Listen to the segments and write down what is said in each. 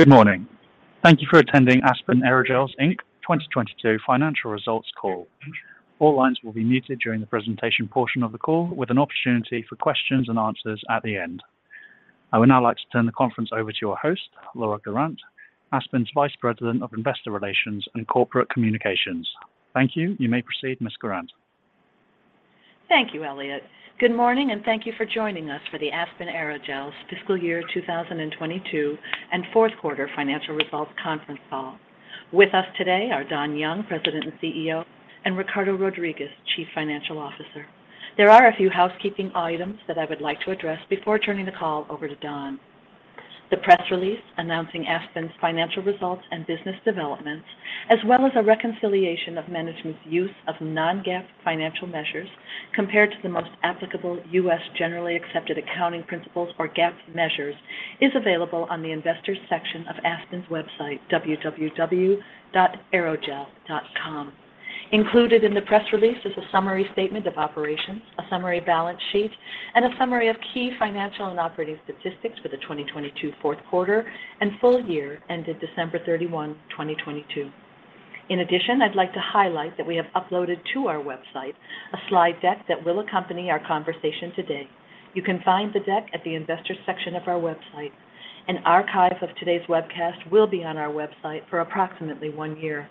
Good morning. Thank you for attending Aspen Aerogels Inc. 2022 financial results call. All lines will be muted during the presentation portion of the call with an opportunity for questions and answers at the end. I would now like to turn the conference over to your host, Laura Guerrant, Aspen's Vice President of Investor Relations and Corporate Communications. Thank you. You may proceed, Ms. Guerrant. Thank you, Elliot. Good morning, and thank you for joining us for the Aspen Aerogels fiscal year 2022 and fourth quarter financial results conference call. With us today are Don Young, President and CEO, and Ricardo Rodriguez, Chief Financial Officer. There are a few housekeeping items that I would like to address before turning the call over to Don. The press release announcing Aspen's financial results and business developments, as well as a reconciliation of management's use of non-GAAP financial measures compared to the most applicable U.S. generally accepted accounting principles or GAAP measures, is available on the investors section of Aspen's website, www.aerogel.com. Included in the press release is a summary statement of operations, a summary balance sheet, and a summary of key financial and operating statistics for the 2022 fourth quarter and full year ended December 31, 2022. In addition, I'd like to highlight that we have uploaded to our website a slide deck that will accompany our conversation today. You can find the deck at the investors section of our website. An archive of today's webcast will be on our website for approximately one year.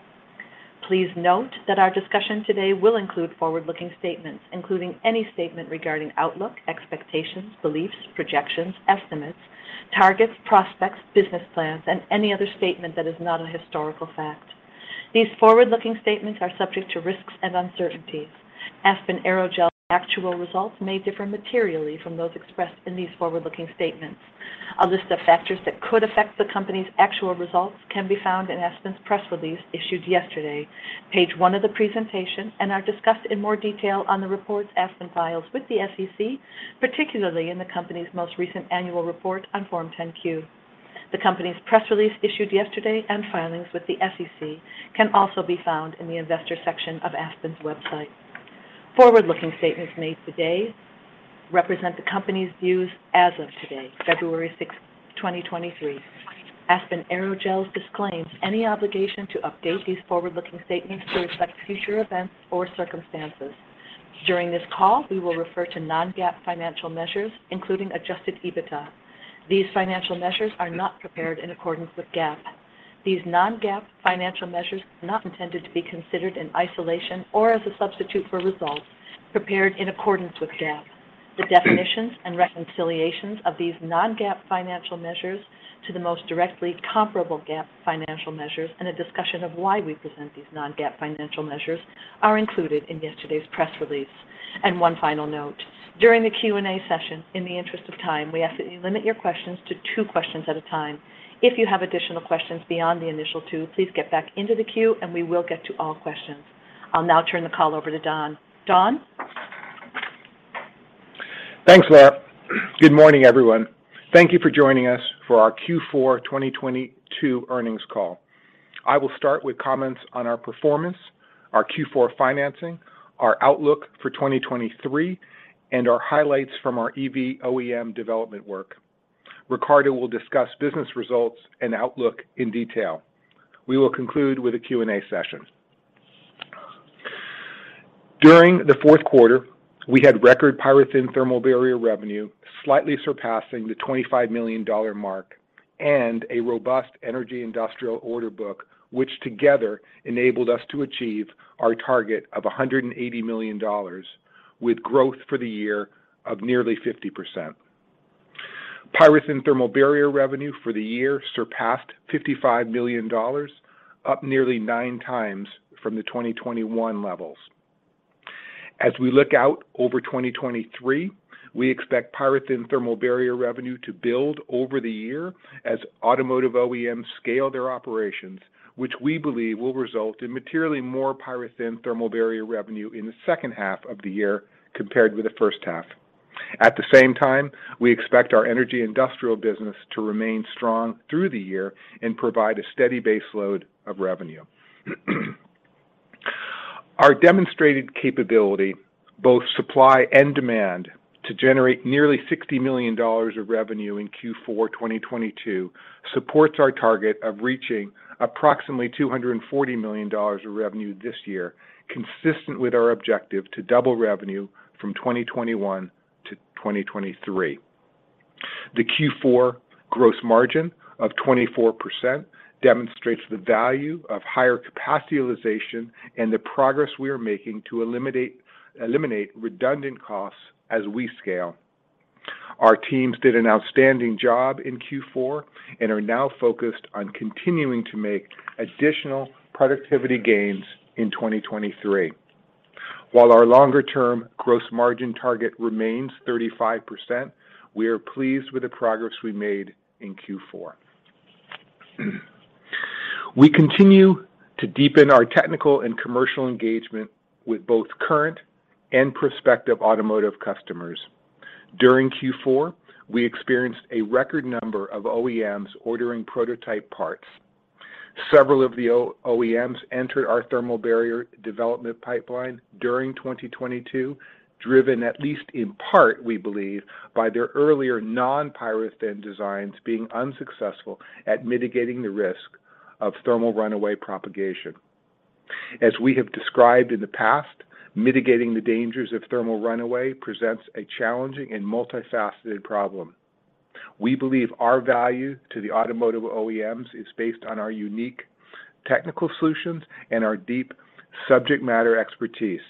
Please note that our discussion today will include forward-looking statements, including any statement regarding outlook, expectations, beliefs, projections, estimates, targets, prospects, business plans, and any other statement that is not a historical fact. These forward-looking statements are subject to risks and uncertainties. Aspen Aerogels' actual results may differ materially from those expressed in these forward-looking statements. A list of factors that could affect the company's actual results can be found in Aspen's press release issued yesterday, page 1 of the presentation, and are discussed in more detail on the reports Aspen files with the SEC, particularly in the company's most recent annual report on Form 10-Q. The company's press release issued yesterday and filings with the SEC can also be found in the investor section of Aspen's website. Forward-looking statements made today represent the company's views as of today, February 6, 2023. Aspen Aerogels disclaims any obligation to update these forward-looking statements to reflect future events or circumstances. During this call, we will refer to non-GAAP financial measures, including Adjusted EBITDA. These financial measures are not prepared in accordance with GAAP. These non-GAAP financial measures are not intended to be considered in isolation or as a substitute for results prepared in accordance with GAAP. The definitions and reconciliations of these non-GAAP financial measures to the most directly comparable GAAP financial measures and a discussion of why we present these non-GAAP financial measures are included in yesterday's press release. One final note, during the Q&A session, in the interest of time, we ask that you limit your questions to two questions at a time. If you have additional questions beyond the initial two, please get back into the queue, and we will get to all questions. I'll now turn the call over to Don. Don? Thanks, Laura. Good morning, everyone. Thank you for joining us for our Q4 2022 earnings call. I will start with comments on our performance, our Q4 financing, our outlook for 2023, and our highlights from our EV OEM development work. Ricardo will discuss business results and outlook in detail. We will conclude with a Q&A session. During the fourth quarter, we had record PyroThin thermal barrier revenue, slightly surpassing the $25 million mark, and a robust energy industrial order book, which together enabled us to achieve our target of $180 million, with growth for the year of nearly 50%. PyroThin thermal barrier revenue for the year surpassed $55 million, up nearly 9xfrom the 2021 levels. As we look out over 2023, we expect PyroThin thermal barrier revenue to build over the year as automotive OEMs scale their operations, which we believe will result in materially more PyroThin thermal barrier revenue in the second half of the year compared with the first half. At the same time, we expect our energy industrial business to remain strong through the year and provide a steady base load of revenue. Our demonstrated capability, both supply and demand, to generate nearly $60 million of revenue in Q4 2022 supports our target of reaching approximately $240 million of revenue this year, consistent with our objective to double revenue from 2021 to 2023. The Q4 gross margin of 24% demonstrates the value of higher capacity utilization and the progress we are making to eliminate redundant costs as we scale. Our teams did an outstanding job in Q4 and are now focused on continuing to make additional productivity gains in 2023. While our longer-term gross margin target remains 35%, we are pleased with the progress we made in Q4. We continue to deepen our technical and commercial engagement with both current and prospective automotive customers. During Q4, we experienced a record number of OEMs ordering prototype parts. Several of the OEMs entered our thermal barrier development pipeline during 2022, driven at least in part, we believe, by their earlier non-PyroThin designs being unsuccessful at mitigating the risk of thermal runaway propagation. As we have described in the past, mitigating the dangers of thermal runaway presents a challenging and multifaceted problem. We believe our value to the automotive OEMs is based on our unique technical solutions and our deep subject matter expertise,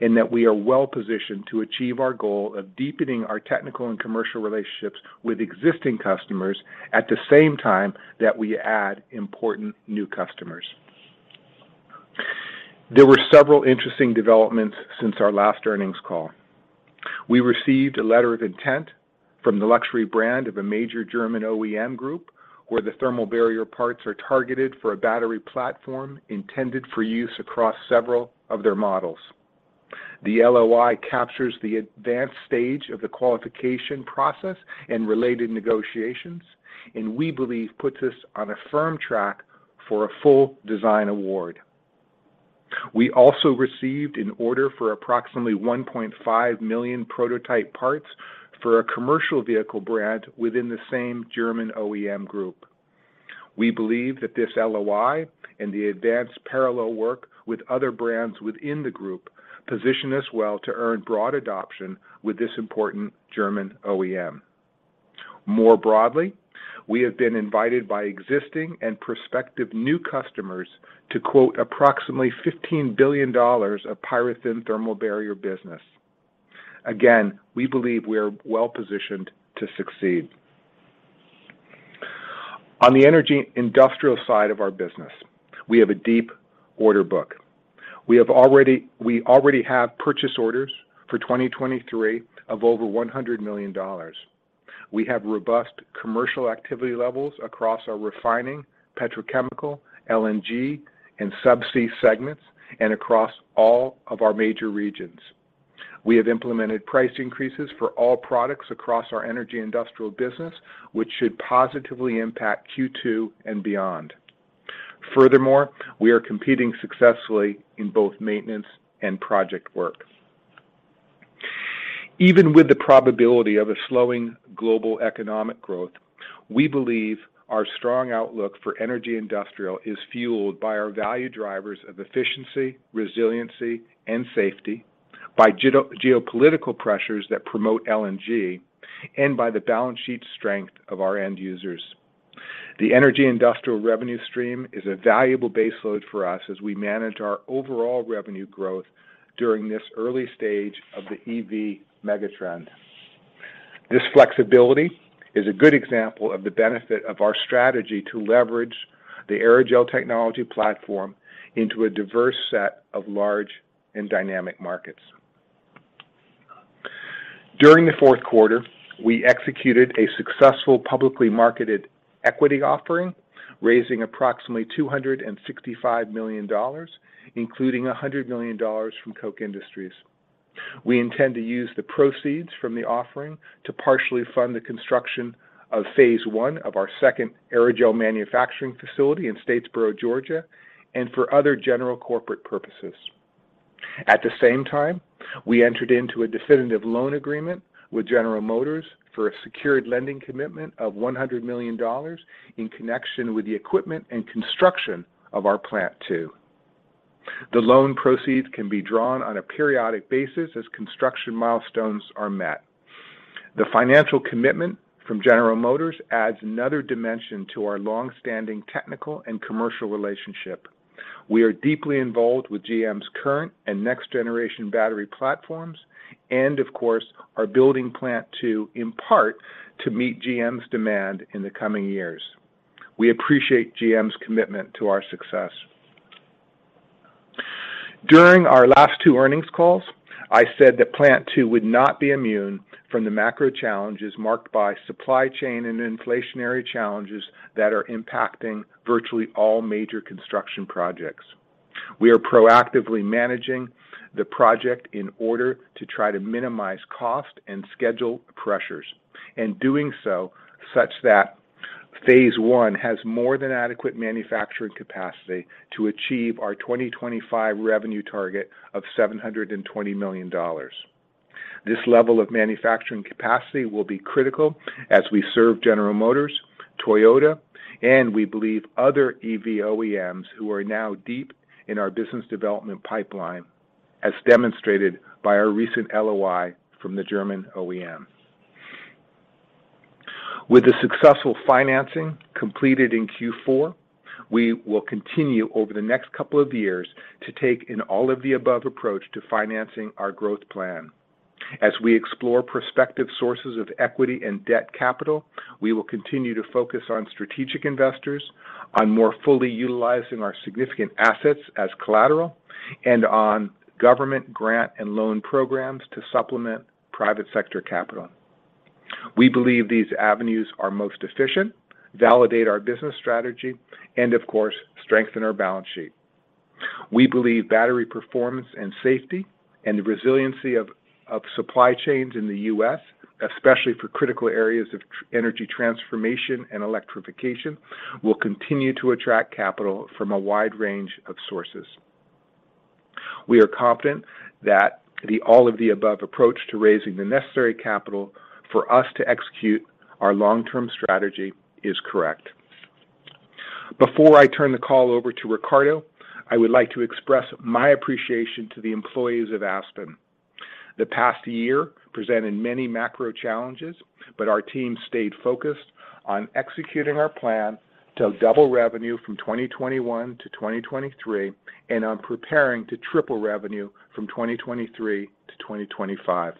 and that we are well-positioned to achieve our goal of deepening our technical and commercial relationships with existing customers at the same time that we add important new customers. There were several interesting developments since our last earnings call. We received a letter of intent from the luxury brand of a major German OEM group where the thermal barrier parts are targeted for a battery platform intended for use across several of their models. The LOI captures the advanced stage of the qualification process and related negotiations, and we believe puts us on a firm track for a full design award. We also received an order for approximately 1.5 million prototype parts for a commercial vehicle brand within the same German OEM group. We believe that this LOI and the advanced parallel work with other brands within the group position us well to earn broad adoption with this important German OEM. We have been invited by existing and prospective new customers to quote approximately $15 billion of PyroThin thermal barrier business. We believe we are well-positioned to succeed. On the energy industrial side of our business, we have a deep order book. We already have purchase orders for 2023 of over $100 million. We have robust commercial activity levels across our refining, petrochemical, LNG, and subsea segments, and across all of our major regions. We have implemented price increases for all products across our energy industrial business, which should positively impact Q2 and beyond. We are competing successfully in both maintenance and project work. Even with the probability of a slowing global economic growth, we believe our strong outlook for energy industrial is fueled by our value drivers of efficiency, resiliency, and safety, by geopolitical pressures that promote LNG, and by the balance sheet strength of our end users. The energy industrial revenue stream is a valuable baseload for us as we manage our overall revenue growth during this early stage of the EV megatrend. This flexibility is a good example of the benefit of our strategy to leverage the Aerogel technology platform into a diverse set of large and dynamic markets. During the fourth quarter, we executed a successful publicly marketed equity offering, raising approximately $265 million, including $100 million from Koch Industries. We intend to use the proceeds from the offering to partially fund the construction of phase one of our second Aerogel manufacturing facility in Statesboro, Georgia, and for other general corporate purposes. At the same time, we entered into a definitive loan agreement with General Motors for a secured lending commitment of $100 million in connection with the equipment and construction of our Plant 2. The loan proceeds can be drawn on a periodic basis as construction milestones are met. The financial commitment from General Motors adds another dimension to our long-standing technical and commercial relationship. We are deeply involved with GM's current and next generation battery platforms and, of course, are building Plant 2 in part to meet GM's demand in the coming years. We appreciate GM's commitment to our success. During our last two earnings calls, I said that Plant 2 would not be immune from the macro challenges marked by supply chain and inflationary challenges that are impacting virtually all major construction projects. We are proactively managing the project in order to try to minimize cost and schedule pressures, and doing so such that phase one has more than adequate manufacturing capacity to achieve our 2025 revenue target of $720 million. This level of manufacturing capacity will be critical as we serve General Motors, Toyota, and we believe other EV OEMs who are now deep in our business development pipeline, as demonstrated by our recent LOI from the German OEM. With the successful financing completed in Q4, we will continue over the next couple of years to take an all-of-the-above approach to financing our growth plan. As we explore prospective sources of equity and debt capital, we will continue to focus on strategic investors, on more fully utilizing our significant assets as collateral, and on government grant and loan programs to supplement private sector capital. We believe these avenues are most efficient, validate our business strategy, and of course, strengthen our balance sheet. We believe battery performance and safety and the resiliency of supply chains in the U.S., especially for critical areas of energy transformation and electrification, will continue to attract capital from a wide range of sources. We are confident that the all-of-the-above approach to raising the necessary capital for us to execute our long-term strategy is correct. Before I turn the call over to Ricardo, I would like to express my appreciation to the employees of Aspen. The past year presented many macro challenges, but our team stayed focused on executing our plan to double revenue from 2021 to 2023 and on preparing to triple revenue from 2023 to 2025.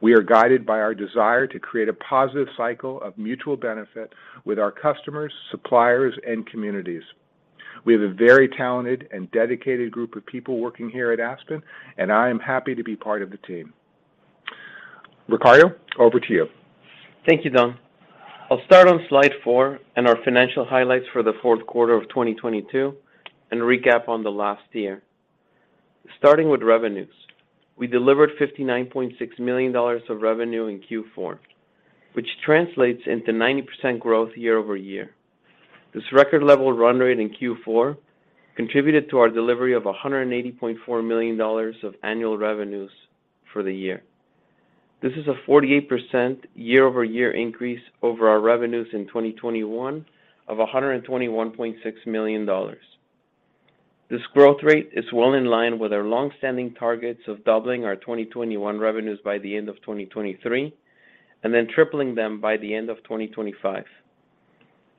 We are guided by our desire to create a positive cycle of mutual benefit with our customers, suppliers, and communities. We have a very talented and dedicated group of people working here at Aspen, and I am happy to be part of the team. Ricardo, over to you. Thank you, Don. I'll start on slide four and our financial highlights for the fourth quarter of 2022 and recap on the last year. Starting with revenues, we delivered $59.6 million of revenue in Q4, which translates into 90% growth year-over-year. This record level run rate in Q4 contributed to our delivery of $180.4 million of annual revenues for the year. This is a 48% year-over-year increase over our revenues in 2021 of $121.6 million. This growth rate is well in line with our long-standing targets of doubling our 2021 revenues by the end of 2023 and then tripling them by the end of 2025.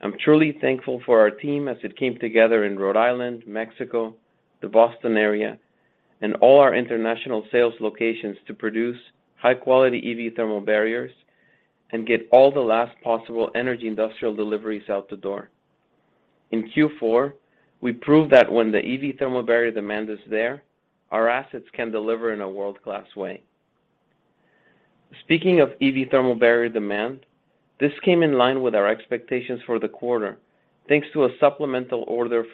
I'm truly thankful for our team as it came together in Rhode Island, Mexico, the Boston area, and all our international sales locations to produce high-quality EV thermal barriers and get all the last possible energy industrial deliveries out the door. In Q4, we proved that when the EV thermal barrier demand is there, our assets can deliver in a world-class way. Speaking of EV thermal barrier demand, this came in line with our expectations for the quarter, thanks to a supplemental order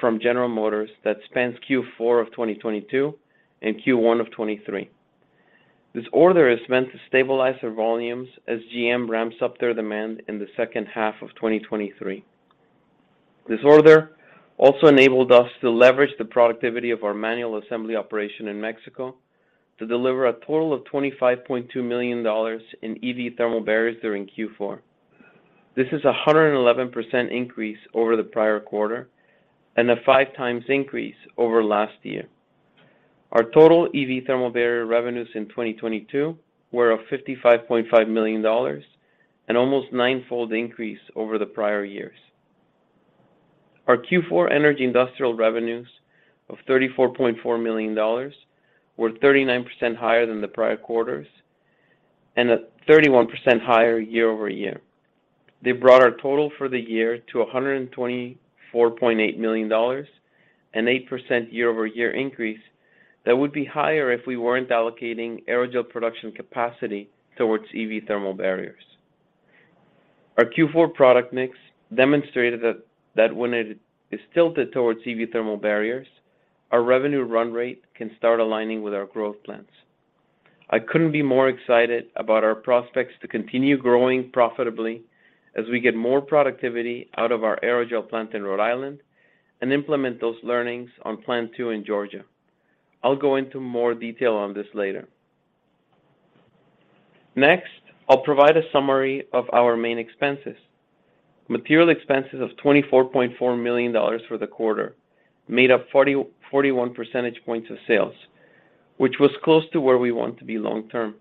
from General Motors that spans Q4 of 2022 and Q1 of 2023. This order is meant to stabilize their volumes as GM ramps up their demand in the second half of 2023. This order also enabled us to leverage the productivity of our manual assembly operation in Mexico to deliver a total of $25.2 million in EV thermal barriers during Q4. This is a 111% increase over the prior quarter and a 5x increase over last year. Our total EV thermal barrier revenues in 2022 were of $55.5 million, an almost nine-fold increase over the prior years. Our Q4 energy industrial revenues of $34.4 million were 39% higher than the prior quarters and 31% higher year-over-year. They brought our total for the year to $124.8 million, an 8% year-over-year increase that would be higher if we weren't allocating aerogel production capacity towards EV thermal barriers. Our Q4 product mix demonstrated that when it is tilted towards EV thermal barriers, our revenue run rate can start aligning with our growth plans. I couldn't be more excited about our prospects to continue growing profitably as we get more productivity out of our aerogel plant in Rhode Island and implement those learnings on Plant 2 in Georgia. I'll go into more detail on this later. I'll provide a summary of our main expenses. Material expenses of $24.4 million for the quarter made up 41 percentage points of sales, which was close to where we want to be long term,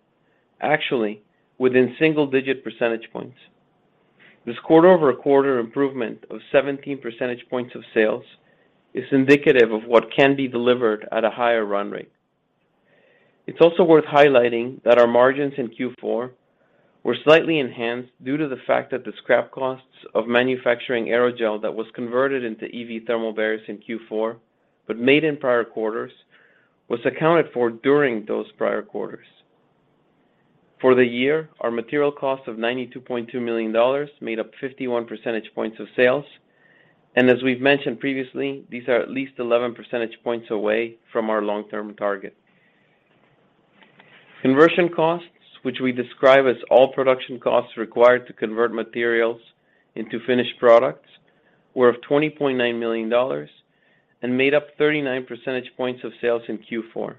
actually within single-digit percentage points. This quarter-over-quarter improvement of 17 percentage points of sales is indicative of what can be delivered at a higher run rate. It's also worth highlighting that our margins in Q4 were slightly enhanced due to the fact that the scrap costs of manufacturing Aerogel that was converted into EV thermal barriers in Q4 but made in prior quarters was accounted for during those prior quarters. For the year, our material costs of $92.2 million made up 51 percentage points of sales, and as we've mentioned previously, these are at least 11 percentage points away from our long-term target. Conversion costs, which we describe as all production costs required to convert materials into finished products, were of $20.9 million and made up 39 percentage points of sales in Q4.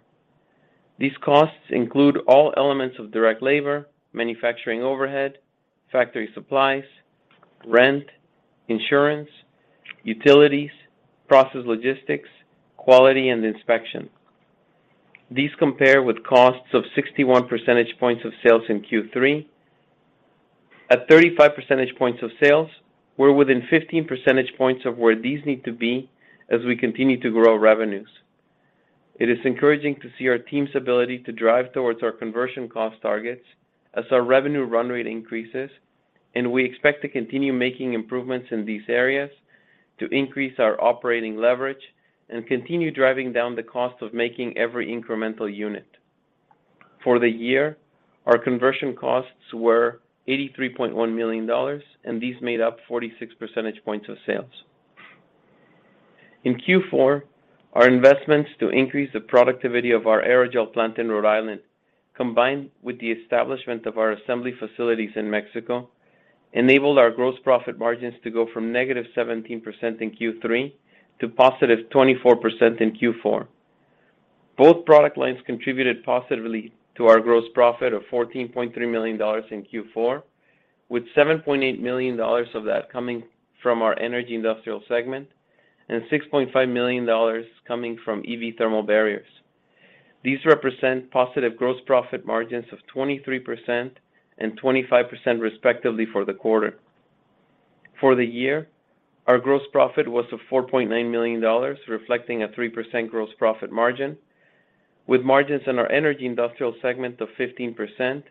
These costs include all elements of direct labor, manufacturing overhead, factory supplies, rent, insurance, utilities, process logistics, quality, and inspection. These compare with costs of 61 percentage points of sales in Q3. At 35 percentage points of sales, we're within 15 percentage points of where these need to be as we continue to grow revenues. It is encouraging to see our team's ability to drive towards our conversion cost targets as our revenue run rate increases, and we expect to continue making improvements in these areas to increase our operating leverage and continue driving down the cost of making every incremental unit. For the year, our conversion costs were $83.1 million, and these made up 46 percentage points of sales. In Q4, our investments to increase the productivity of our aerogel plant in Rhode Island, combined with the establishment of our assembly facilities in Mexico, enabled our gross profit margins to go from -17% in Q3 to +24% in Q4. Both product lines contributed positively to our gross profit of $14.3 million in Q4, with $7.8 million of that coming from our energy industrial segment and $6.5 million coming from EV thermal barriers. These represent positive gross profit margins of 23% and 25% respectively for the quarter. For the year, our gross profit was of $4.9 million, reflecting a 3% gross profit margin, with margins in our energy industrial segment of 15%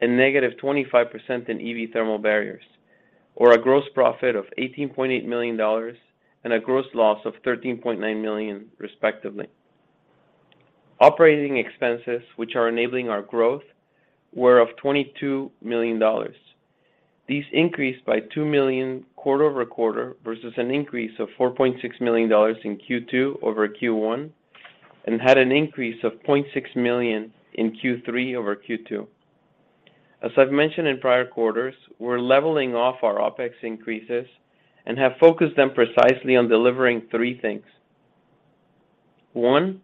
and -25% in EV thermal barriers, or a gross profit of $18.8 million and a gross loss of $13.9 million respectively. Operating expenses, which are enabling our growth, were of $22 million. These increased by $2 million quarter-over-quarter versus an increase of $4.6 million in Q2 over Q1 and had an increase of $0.6 million in Q3 over Q2. As I've mentioned in prior quarters, we're leveling off our OpEx increases and have focused them precisely on delivering three things. One,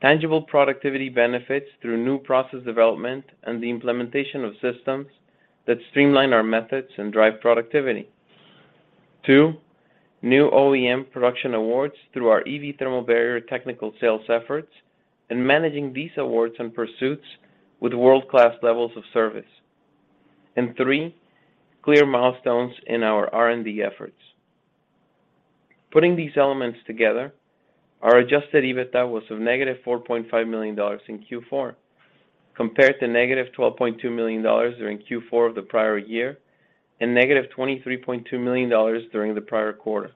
tangible productivity benefits through new process development and the implementation of systems that streamline our methods and drive productivity. Two, new OEM production awards through our EV thermal barrier technical sales efforts and managing these awards and pursuits with world-class levels of service. Three, clear milestones in our R&D efforts. Putting these elements together, our Adjusted EBITDA was of negative $4.5 million in Q4, compared to negative $12.2 million during Q4 of the prior year and negative $23.2 million during the prior quarter.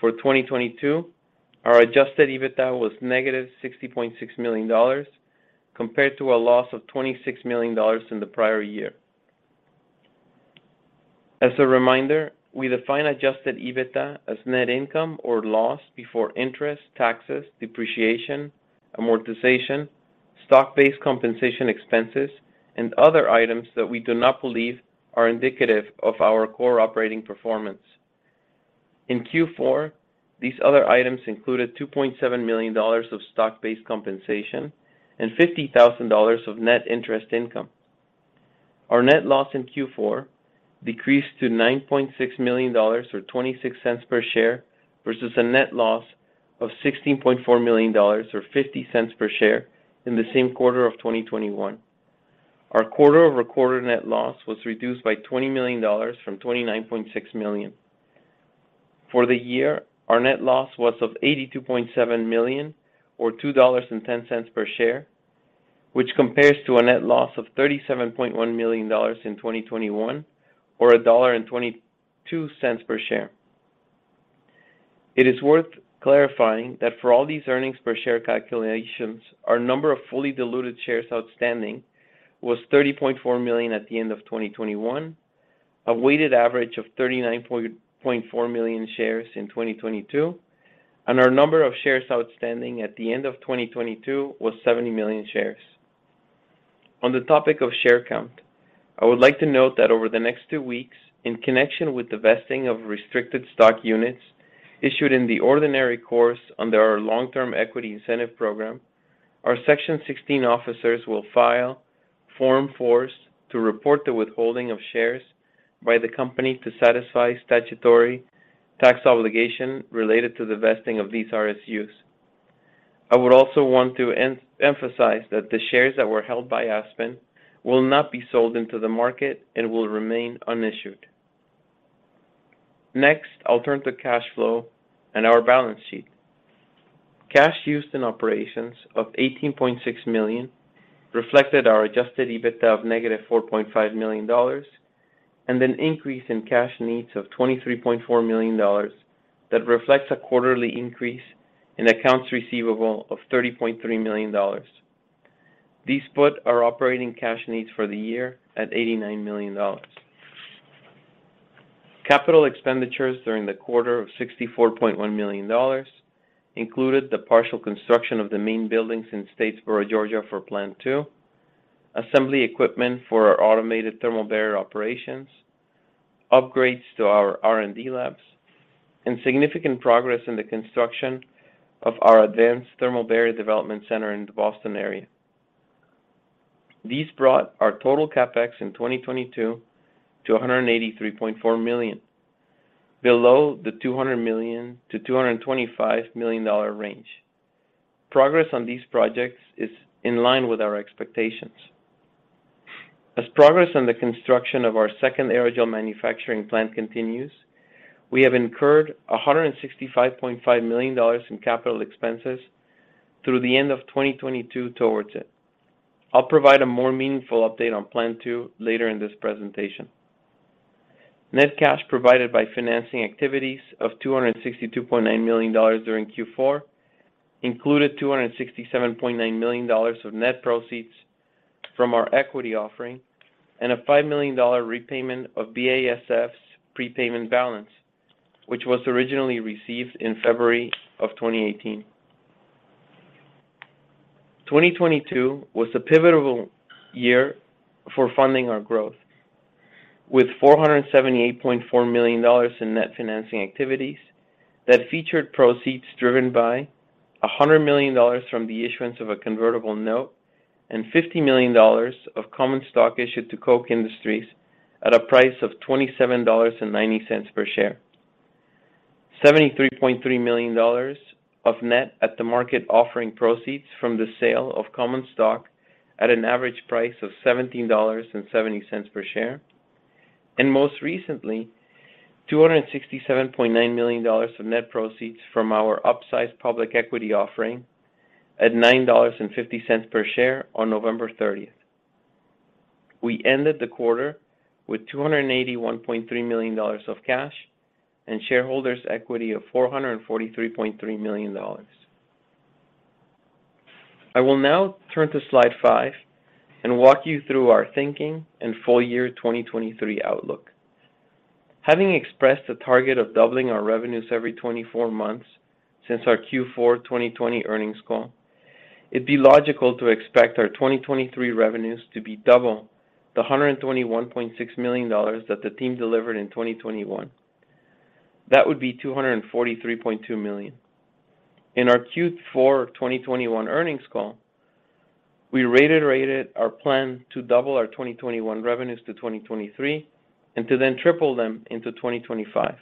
For 2022, our Adjusted EBITDA was -$60.6 million, compared to a loss of $26 million in the prior year. As a reminder, we define Adjusted EBITDA as net income or loss before interest, taxes, depreciation, amortization, stock-based compensation expenses, and other items that we do not believe are indicative of our core operating performance. In Q4, these other items included $2.7 million of stock-based compensation and $50,000 of net interest income. Our net loss in Q4 decreased to $9.6 million or $0.26 per share versus a net loss of $16.4 million or $0.50 per share in the same quarter of 2021. Our quarter-over-quarter net loss was reduced by $20 million from $29.6 million. For the year, our net loss was of $82.7 million or $2.10 per share, which compares to a net loss of $37.1 million in 2021 or $1.22 per share. It is worth clarifying that for all these earnings per share calculations, our number of fully diluted shares outstanding was 30.4 million at the end of 2021, a weighted average of 39.4 million shares in 2022, and our number of shares outstanding at the end of 2022 was 70 million shares. On the topic of share count, I would like to note that over the next two weeks in connection with the vesting of Restricted Stock Units issued in the ordinary course under our long-term equity incentive program, our Section 16 officers will file Form 4s to report the withholding of shares by the company to satisfy statutory tax obligation related to the vesting of these RSUs. I would also want to emphasize that the shares that were held by Aspen will not be sold into the market and will remain unissued. I'll turn to cash flow and our balance sheet. Cash used in operations of $18.6 million reflected our Adjusted EBITDA of negative $4.5 million and an increase in cash needs of $23.4 million that reflects a quarterly increase in accounts receivable of $30.3 million. These put our operating cash needs for the year at $89 million. Capital expenditures during the quarter of $64.1 million included the partial construction of the main buildings in Statesboro, Georgia, for Plant 2, assembly equipment for our automated thermal barrier operations, upgrades to our R&D labs, and significant progress in the construction of our advanced thermal barrier development center in the Boston area. These brought our total CapEx in 2022 to $183.4 million, below the $200 million-$225 million range. Progress on these projects is in line with our expectations. As progress on the construction of our second aerogel manufacturing plant continues, we have incurred $165.5 million in capital expenses through the end of 2022 towards it. I'll provide a more meaningful update on Plant 2 later in this presentation. Net cash provided by financing activities of $262.9 million during Q4 included $267.9 million of net proceeds from our equity offering and a $5 million repayment of BASF's prepayment balance, which was originally received in February of 2018. 2022 was a pivotal year for funding our growth with $478.4 million in net financing activities that featured proceeds driven by $100 million from the issuance of a convertible note and $50 million of common stock issued to Koch Industries at a price of $27.90 per share. $73.3 million of net at-the-market offering proceeds from the sale of common stock at an average price of $17.70 per share, and most recently, $267.9 million of net proceeds from our upsized public equity offering at $9.50 per share on November 30th. We ended the quarter with $281.3 million of cash and shareholders' equity of $443.3 million. I will now turn to slide five and walk you through our thinking and full year 2023 outlook. Having expressed a target of doubling our revenues every 24 months since our Q4 2020 earnings call, it'd be logical to expect our 2023 revenues to be double the $121.6 million that the team delivered in 2021. That would be $243.2 million. In our Q4 2021 earnings call, we reiterated our plan to double our 2021 revenues to 2023, and to then triple them into 2025.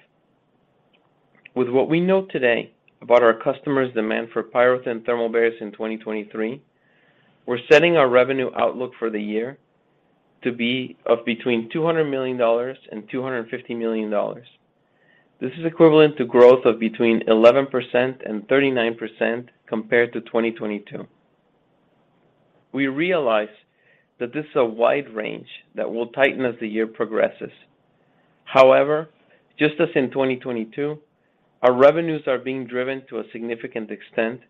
With what we know today about our customers' demand for PyroThin thermal barriers in 2023, we're setting our revenue outlook for the year to be of between $200 million and $250 million. This is equivalent to growth of between 11% and 39% compared to 2022. We realize that this is a wide range that will tighten as the year progresses. However, just as in 2022, our revenues are being driven to a significant extent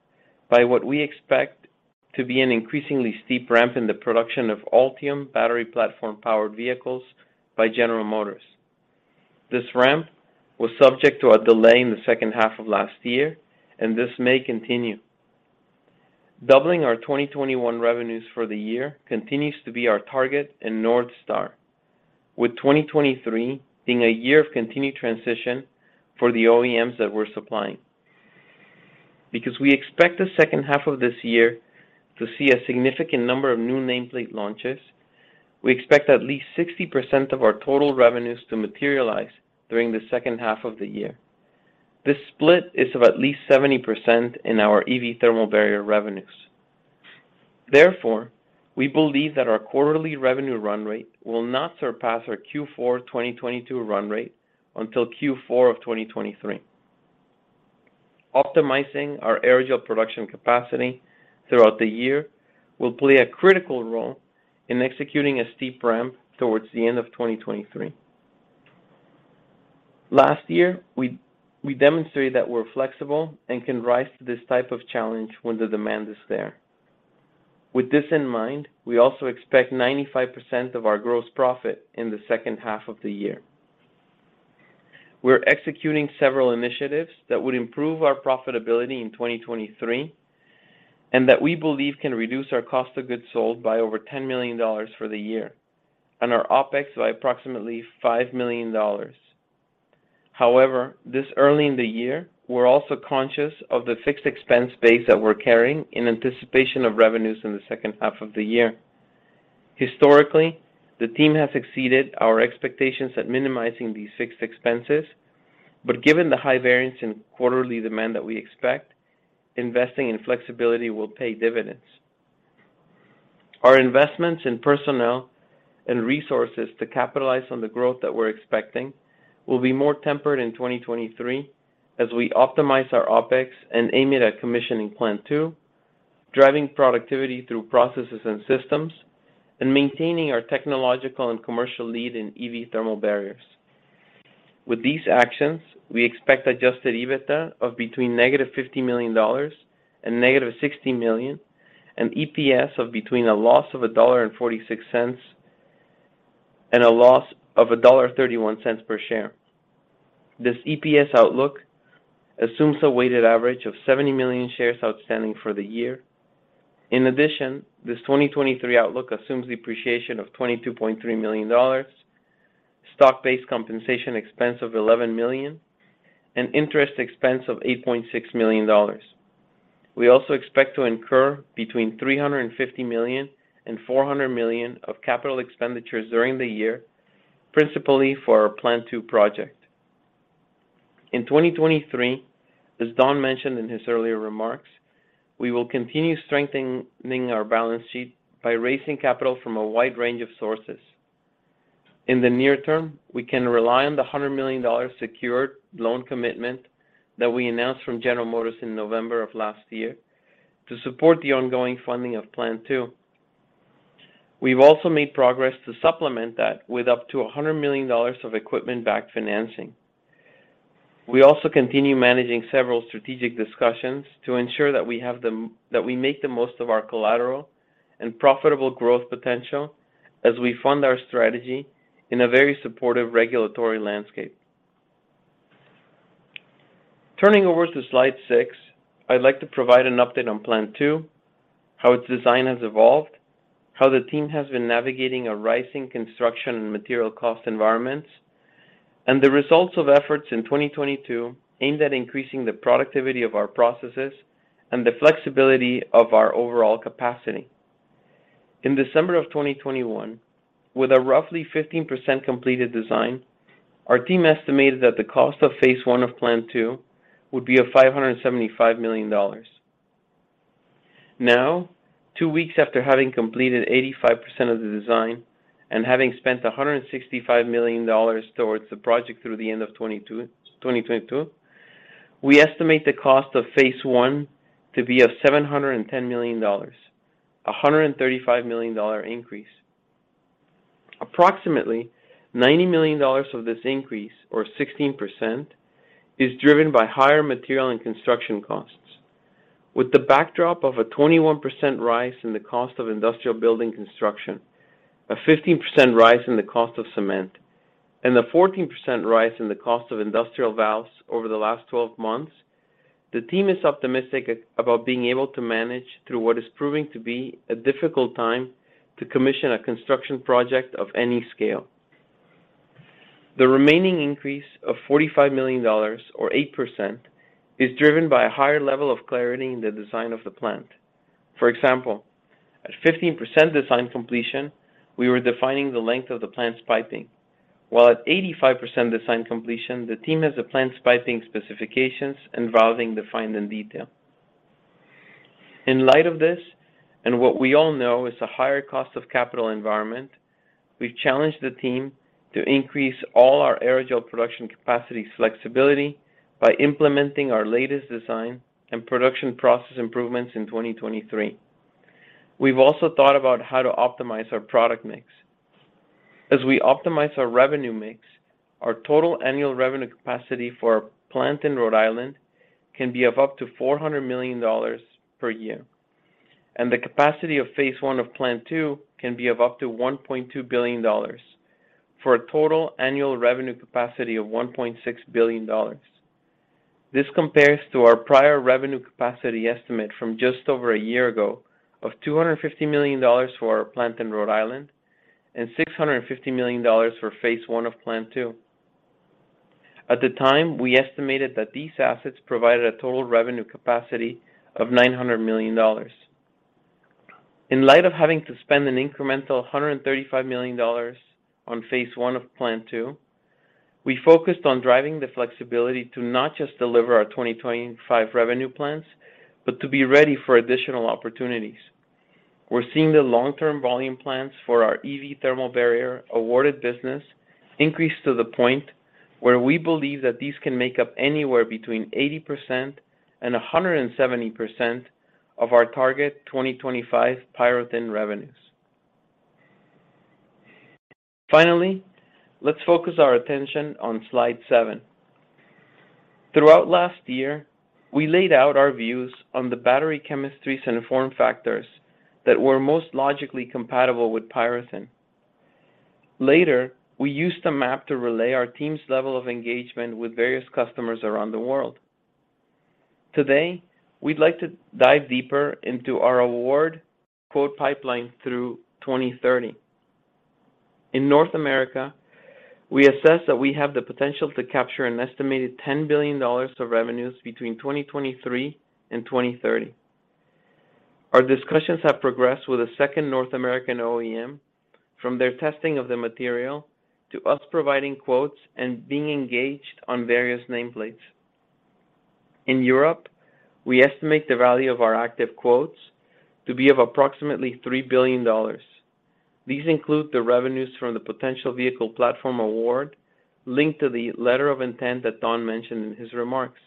by what we expect to be an increasingly steep ramp in the production of Ultium battery platform powered vehicles by General Motors. This ramp was subject to a delay in the second half of last year, and this may continue. Doubling our 2021 revenues for the year continues to be our target and North Star, with 2023 being a year of continued transition for the OEMs that we're supplying. Because we expect the second half of this year to see a significant number of new nameplate launches, we expect at least 60% of our total revenues to materialize during the second half of the year. This split is of at least 70% in our EV thermal barrier revenues. We believe that our quarterly revenue run rate will not surpass our Q4 2022 run rate until Q4 of 2023. Optimizing our aerogel production capacity throughout the year will play a critical role in executing a steep ramp towards the end of 2023. Last year, we demonstrated that we're flexible and can rise to this type of challenge when the demand is there. With this in mind, we also expect 95% of our gross profit in the second half of the year. We're executing several initiatives that would improve our profitability in 2023, and that we believe can reduce our cost of goods sold by over $10 million for the year, and our OpEx by approximately $5 million. However, this early in the year, we're also conscious of the fixed expense base that we're carrying in anticipation of revenues in the second half of the year. Historically, the team has exceeded our expectations at minimizing these fixed expenses, but given the high variance in quarterly demand that we expect, investing in flexibility will pay dividends. Our investments in personnel and resources to capitalize on the growth that we're expecting will be more tempered in 2023 as we optimize our OpEx and aim it at commissioning Plant 2, driving productivity through processes and systems, and maintaining our technological and commercial lead in EV thermal barriers. With these actions, we expect Adjusted EBITDA of between negative $50 million and negative $60 million, and EPS of between a loss of $1.46 and a loss of $1.31 per share. This EPS outlook assumes a weighted average of 70 million shares outstanding for the year. In addition, this 2023 outlook assumes depreciation of $22.3 million, stock-based compensation expense of $11 million, and interest expense of $8.6 million. We also expect to incur between $350 million and $400 million of capital expenditures during the year, principally for our Plant 2 project. In 2023, as Don mentioned in his earlier remarks, we will continue strengthening our balance sheet by raising capital from a wide range of sources. In the near term, we can rely on the $100 million secured loan commitment that we announced from General Motors in November of last year to support the ongoing funding of Plant 2. We've also made progress to supplement that with up to $100 million of equipment-backed financing. We also continue managing several strategic discussions to ensure that we make the most of our collateral and profitable growth potential as we fund our strategy in a very supportive regulatory landscape. Turning over to slide 6, I'd like to provide an update on Plant 2, how its design has evolved, how the team has been navigating a rising construction and material cost environments, and the results of efforts in 2022 aimed at increasing the productivity of our processes and the flexibility of our overall capacity. In December of 2021, with a roughly 15% completed design, our team estimated that the cost of phase I of Plant 2 would be of $575 million. Now, two weeks after having completed 85% of the design and having spent $165 million towards the project through the end of 2022, we estimate the cost of phase I to be of $710 million, a $135 million increase. Approximately $90 million of this increase or 16% is driven by higher material and construction costs. With the backdrop of a 21% rise in the cost of industrial building construction, a 15% rise in the cost of cement, and a 14% rise in the cost of industrial valves over the last 12 months, the team is optimistic about being able to manage through what is proving to be a difficult time to commission a construction project of any scale. The remaining increase of $45 million or 8% is driven by a higher level of clarity in the design of the plant. For example, at 15% design completion, we were defining the length of the plant's piping. While at 85% design completion, the team has the plant's piping specifications and valving defined in detail. In light of this, and what we all know is a higher cost of capital environment, we've challenged the team to increase all our aerogel production capacity flexibility by implementing our latest design and production process improvements in 2023. We've also thought about how to optimize our product mix. As we optimize our revenue mix, our total annual revenue capacity for our plant in Rhode Island can be of up to $400 million per year, and the capacity of phase one of Plant 2 can be of up to $1.2 billion for a total annual revenue capacity of $1.6 billion. This compares to our prior revenue capacity estimate from just over a year ago of $250 million for our plant in Rhode Island and $650 million for phase I of Plant 2. At the time, we estimated that these assets provided a total revenue capacity of $900 million. In light of having to spend an incremental $135 million on phase one of Plant 2, we focused on driving the flexibility to not just deliver our 2025 revenue plans, but to be ready for additional opportunities. We're seeing the long-term volume plans for our EV thermal barrier awarded business increase to the point where we believe that these can make up anywhere between 80% and 170% of our target 2025 PyroThin revenues. Let's focus our attention on slide seven. Throughout last year, we laid out our views on the battery chemistries and form factors that were most logically compatible with PyroThin. Later, we used a map to relay our team's level of engagement with various customers around the world. Today, we'd like to dive deeper into our award quote pipeline through 2030. In North America, we assess that we have the potential to capture an estimated $10 billion of revenues between 2023 and 2030. Our discussions have progressed with a second North American OEM from their testing of the material to us providing quotes and being engaged on various nameplates. In Europe, we estimate the value of our active quotes to be of approximately $3 billion. These include the revenues from the potential vehicle platform award linked to the letter of intent that Don mentioned in his remarks.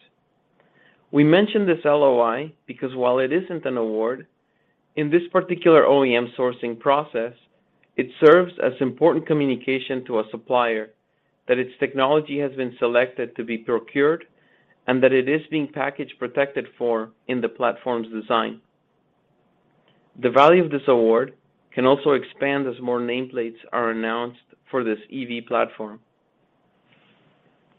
We mention this LOI because while it isn't an award, in this particular OEM sourcing process, it serves as important communication to a supplier that its technology has been selected to be procured and that it is being package protected for in the platform's design. The value of this award can also expand as more nameplates are announced for this EV platform.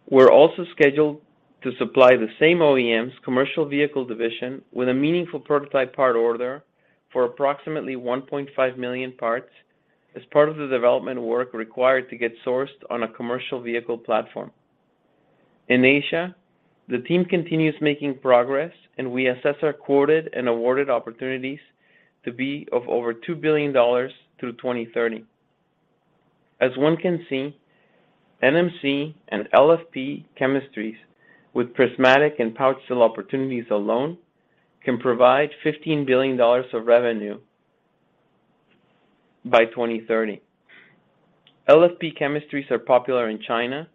We're also scheduled to supply the same OEM's commercial vehicle division with a meaningful prototype part order for approximately 1.5 million parts as part of the development work required to get sourced on a commercial vehicle platform. In Asia, the team continues making progress, and we assess our quoted and awarded opportunities to be of over $2 billion through 2030. As one can see, NMC and LFP chemistries with prismatic and pouch cell opportunities alone can provide $15 billion of revenue by 2030. LFP chemistries are popular in China,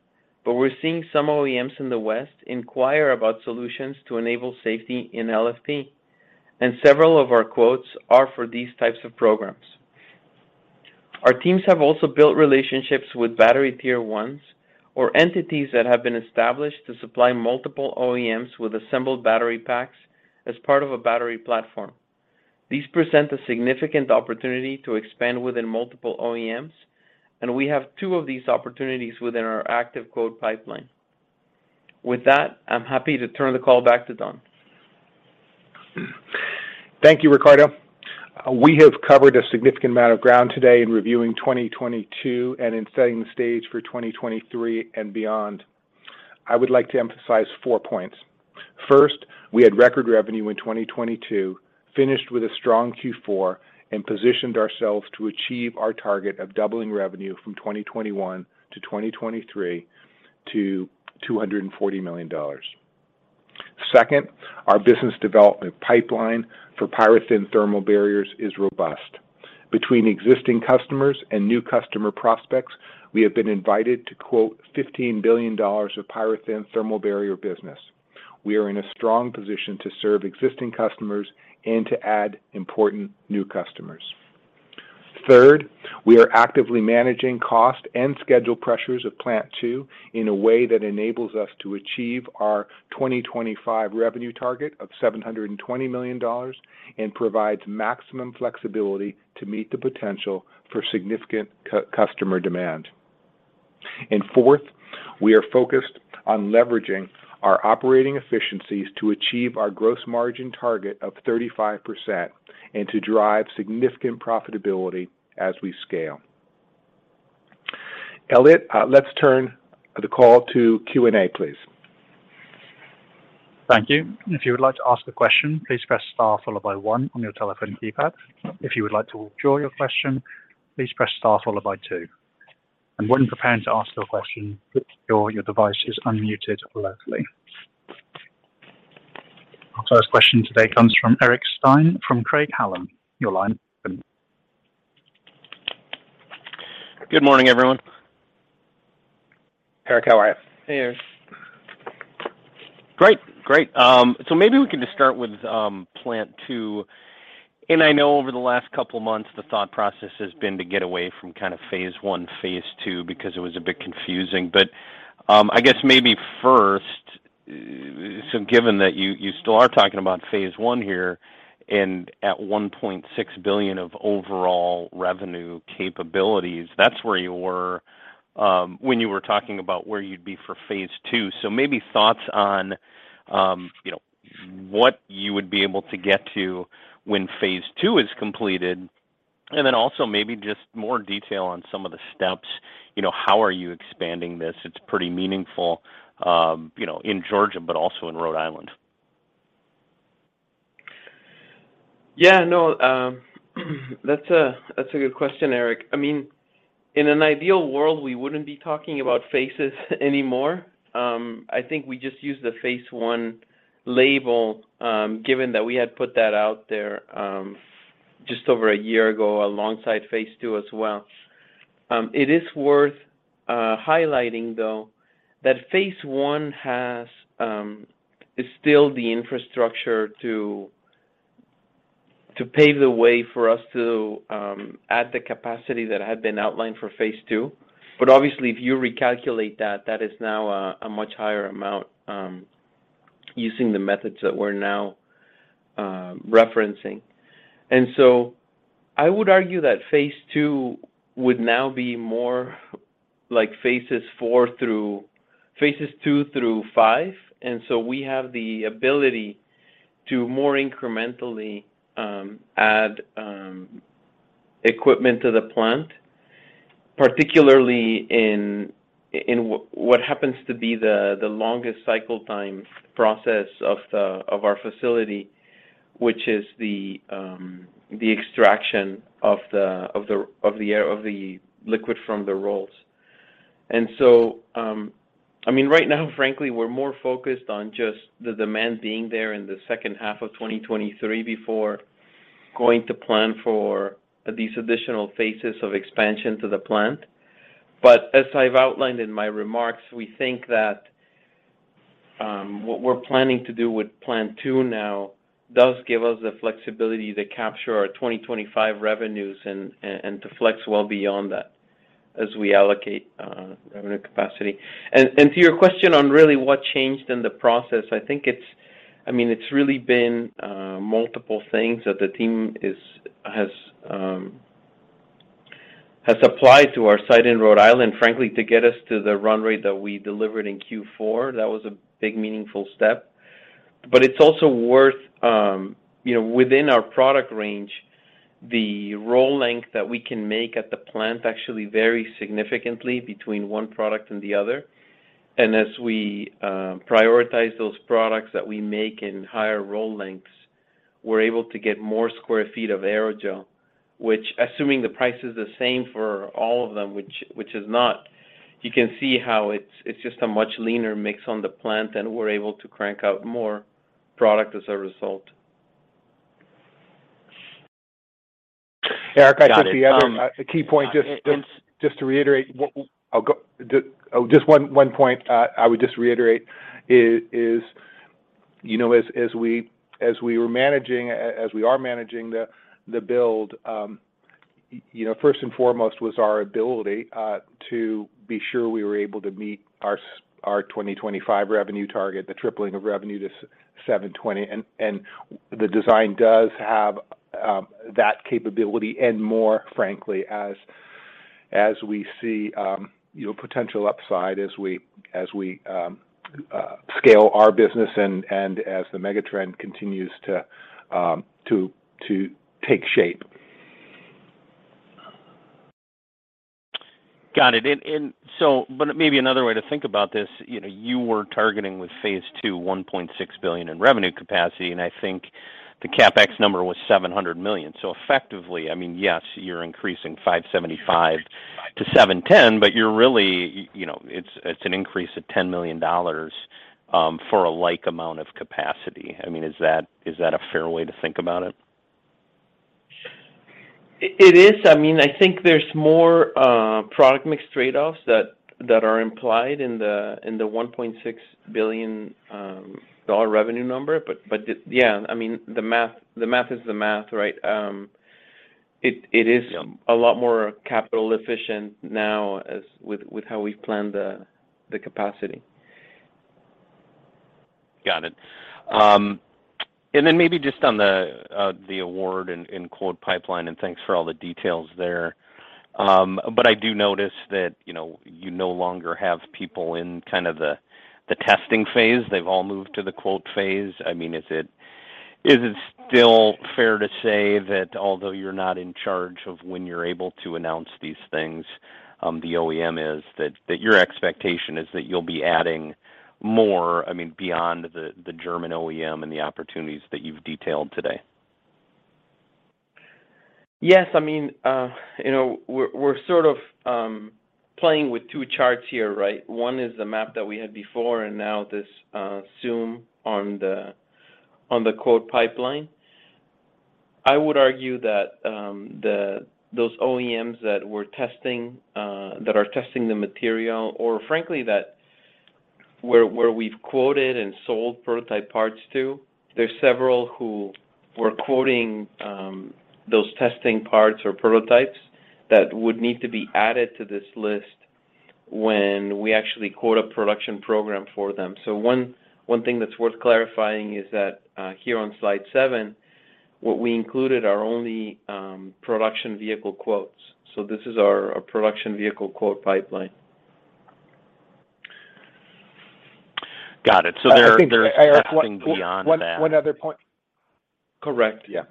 but we're seeing some OEMs in the West inquire about solutions to enable safety in LFP, and several of our quotes are for these types of programs. Our teams have also built relationships with battery Tier 1s or entities that have been established to supply multiple OEMs with assembled battery packs as part of a battery platform. These present a significant opportunity to expand within multiple OEMs, and we have two of these opportunities within our active quote pipeline. With that, I'm happy to turn the call back to Don. Thank you, Ricardo. We have covered a significant amount of ground today in reviewing 2022 and in setting the stage for 2023 and beyond. I would like to emphasize four points. First, we had record revenue in 2022, finished with a strong Q4, and positioned ourselves to achieve our target of doubling revenue from 2021 to 2023 to $240 million. Second, our business development pipeline for PyroThin thermal barriers is robust. Between existing customers and new customer prospects, we have been invited to quote $15 billion of PyroThin thermal barrier business. We are in a strong position to serve existing customers and to add important new customers. Third, we are actively managing cost and schedule pressures of Plant 2 in a way that enables us to achieve our 2025 revenue target of $720 million and provides maximum flexibility to meet the potential for significant customer demand. Fourth, we are focused on leveraging our operating efficiencies to achieve our gross margin target of 35% and to drive significant profitability as we scale. Elliot, let's turn the call to Q&A, please. Thank you. If you would like to ask a question, please press star followed by 1 on your telephone keypad. If you would like to withdraw your question, please press star followed by two. When preparing to ask your question, ensure your device is unmuted locally. Our first question today comes from Eric Stine from Craig-Hallum. Your line. Good morning, everyone. Eric, how are you? Hey, Eric. Great. Great. Maybe we can just start with Plant 2. I know over the last couple of months, the thought process has been to get away from phase one, phase two, because it was a bit confusing. I guess maybe first, given that you still are talking about phase one here, and at $1.6 billion of overall revenue capabilities, that's where you were when you were talking about where you'd be for phase two. Maybe thoughts on, you know, what you would be able to get to when phase two is completed. Then also maybe just more detail on some of the steps. You know, how are you expanding this? It's pretty meaningful, you know, in Georgia, but also in Rhode Island. Yeah, no. That's a good question, Eric. I mean, in an ideal world, we wouldn't be talking about phases anymore. I think we just use the phase I label, given that we had put that out there, just over a year ago alongside phase II as well. It is worth highlighting, though, that phase I has is still the infrastructure to pave the way for us to add the capacity that had been outlined for phase II. Obviously, if you recalculate that is now a much higher amount, using the methods that we're now referencing. I would argue that phase II would now be more like phases II through V. We have the ability to more incrementally add equipment to the plant, particularly in what happens to be the longest cycle time process of our facility, which is the extraction of the liquid from the rolls. I mean, right now, frankly, we're more focused on just the demand being there in the second half of 2023 before going to plan for these additional phases of expansion to the plant. As I've outlined in my remarks, we think that what we're planning to do with Plant 2 now does give us the flexibility to capture our 2025 revenues and to flex well beyond that as we allocate revenue capacity. To your question on really what changed in the process, I mean, it's really been multiple things that the team is, has applied to our site in Rhode Island, frankly, to get us to the run rate that we delivered in Q4. That was a big meaningful step. It's also worth, you know, within our product range, the roll length that we can make at the plant actually vary significantly between one product and the other. As we prioritize those products that we make in higher roll lengths, we're able to get more square feet of aerogel, which assuming the price is the same for all of them, which is not, you can see how it's just a much leaner mix on the plant, and we're able to crank out more product as a result. Eric, I think. Got it. A key point, just to reiterate. Just one point I would reiterate is, you know, as we were managing, as we are managing the build, you know, first and foremost was our ability to be sure we were able to meet our 2025 revenue target, the tripling of revenue to $720. The design does have that capability and more, frankly, as we see, you know, potential upside as we scale our business and as the mega trend continues to take shape. Got it. Maybe another way to think about this, you know, you were targeting with phase two $1.6 billion in revenue capacity, and I think the CapEx number was $700 million. Effectively, I mean, yes, you're increasing $575 to $710, but you're really, you know, it's an increase of $10 million for a like amount of capacity. I mean, is that a fair way to think about it? It is. I mean, I think there's more product mix trade-offs that are implied in the $1.6 billion revenue number. Yeah, I mean, the math is the math, right? It is. Yeah. A lot more capital efficient now with how we've planned the capacity. Got it. Maybe just on the award and quote pipeline, thanks for all the details there. I do notice that, you know, you no longer have people in kind of the testing phase. They've all moved to the quote phase. I mean, is it still fair to say that although you're not in charge of when you're able to announce these things, the OEM is, that your expectation is that you'll be adding more, I mean, beyond the German OEM and the opportunities that you've detailed today? Yes. I mean, you know, we're sort of playing with two charts here, right? One is the map that we had before. Now this zoom on the, on the quote pipeline. I would argue that those OEMs that we're testing, that are testing the material, or frankly, that where we've quoted and sold prototype parts to, there's several who we're quoting, those testing parts or prototypes that would need to be added to this list when we actually quote a production program for them. One thing that's worth clarifying is that here on slide seven, what we included are only production vehicle quotes. This is our production vehicle quote pipeline. Got it. I think, Eric. There are testing beyond that. One other point. Correct. Yeah.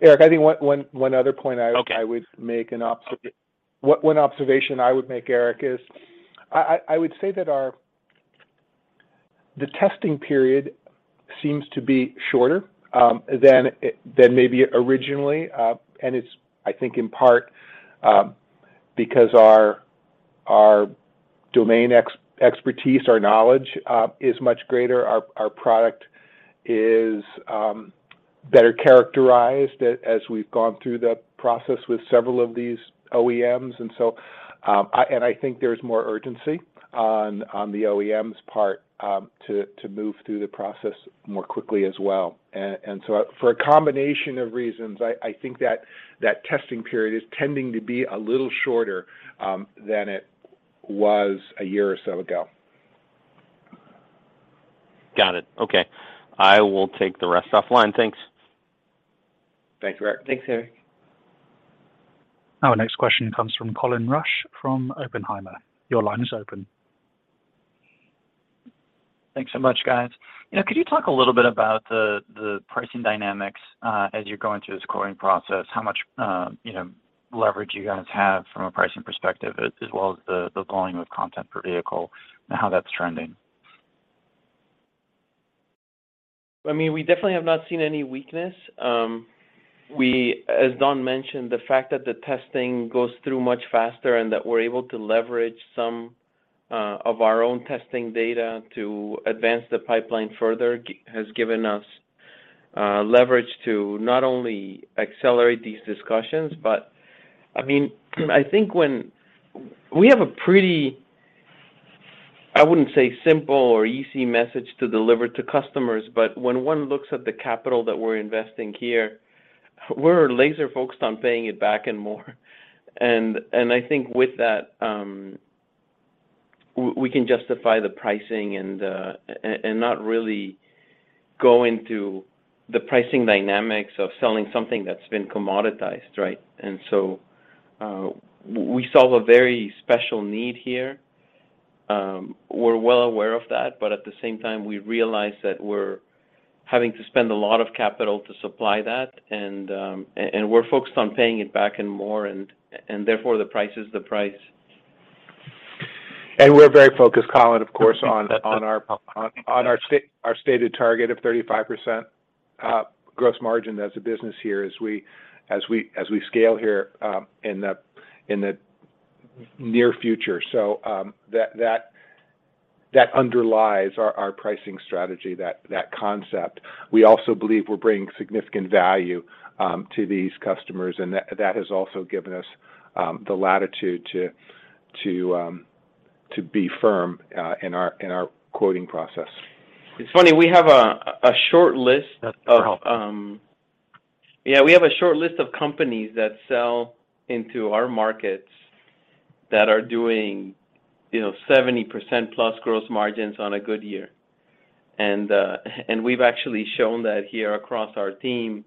Eric, I think one other point. Okay. I would make one observation I would make, Eric, is I would say that our. The testing period seems to be shorter than maybe originally. It's, I think in part, because our domain expertise, our knowledge, is much greater. Our product is better characterized as we've gone through the process with several of these OEMs. And I think there's more urgency on the OEM's part to move through the process more quickly as well. For a combination of reasons, I think that testing period is tending to be a little shorter than it was a year or so ago. Got it. Okay. I will take the rest offline. Thanks. Thanks, Eric. Thanks, Eric. Our next question comes from Colin Rusch from Oppenheimer. Your line is open. Thanks so much, guys. You know, could you talk a little bit about the pricing dynamics, as you're going through this quoting process, how much, you know, leverage you guys have from a pricing perspective, as well as the volume of content per vehicle and how that's trending? I mean, we definitely have not seen any weakness. As Don mentioned, the fact that the testing goes through much faster and that we're able to leverage some of our own testing data to advance the pipeline further has given us leverage to not only accelerate these discussions, but I mean, I think when. We have a pretty, I wouldn't say simple or easy message to deliver to customers, but when one looks at the capital that we're investing here, we're laser-focused on paying it back and more. I think with that, we can justify the pricing and not really go into the pricing dynamics of selling something that's been commoditized, right? We solve a very special need here. We're well aware of that, but at the same time, we realize that we're having to spend a lot of capital to supply that and we're focused on paying it back and more, and therefore the price is the price. We're very focused, Colin, of course, on our stated target of 35% gross margin as a business here as we scale here in the near future. That underlies our pricing strategy, that concept. We also believe we're bringing significant value to these customers, and that has also given us the latitude to be firm in our quoting process. It's funny, we have a short list. That's helpful. Yeah, we have a short list of companies that sell into our markets that are doing, you know, 70% plus gross margins on a good year. We've actually shown that here across our team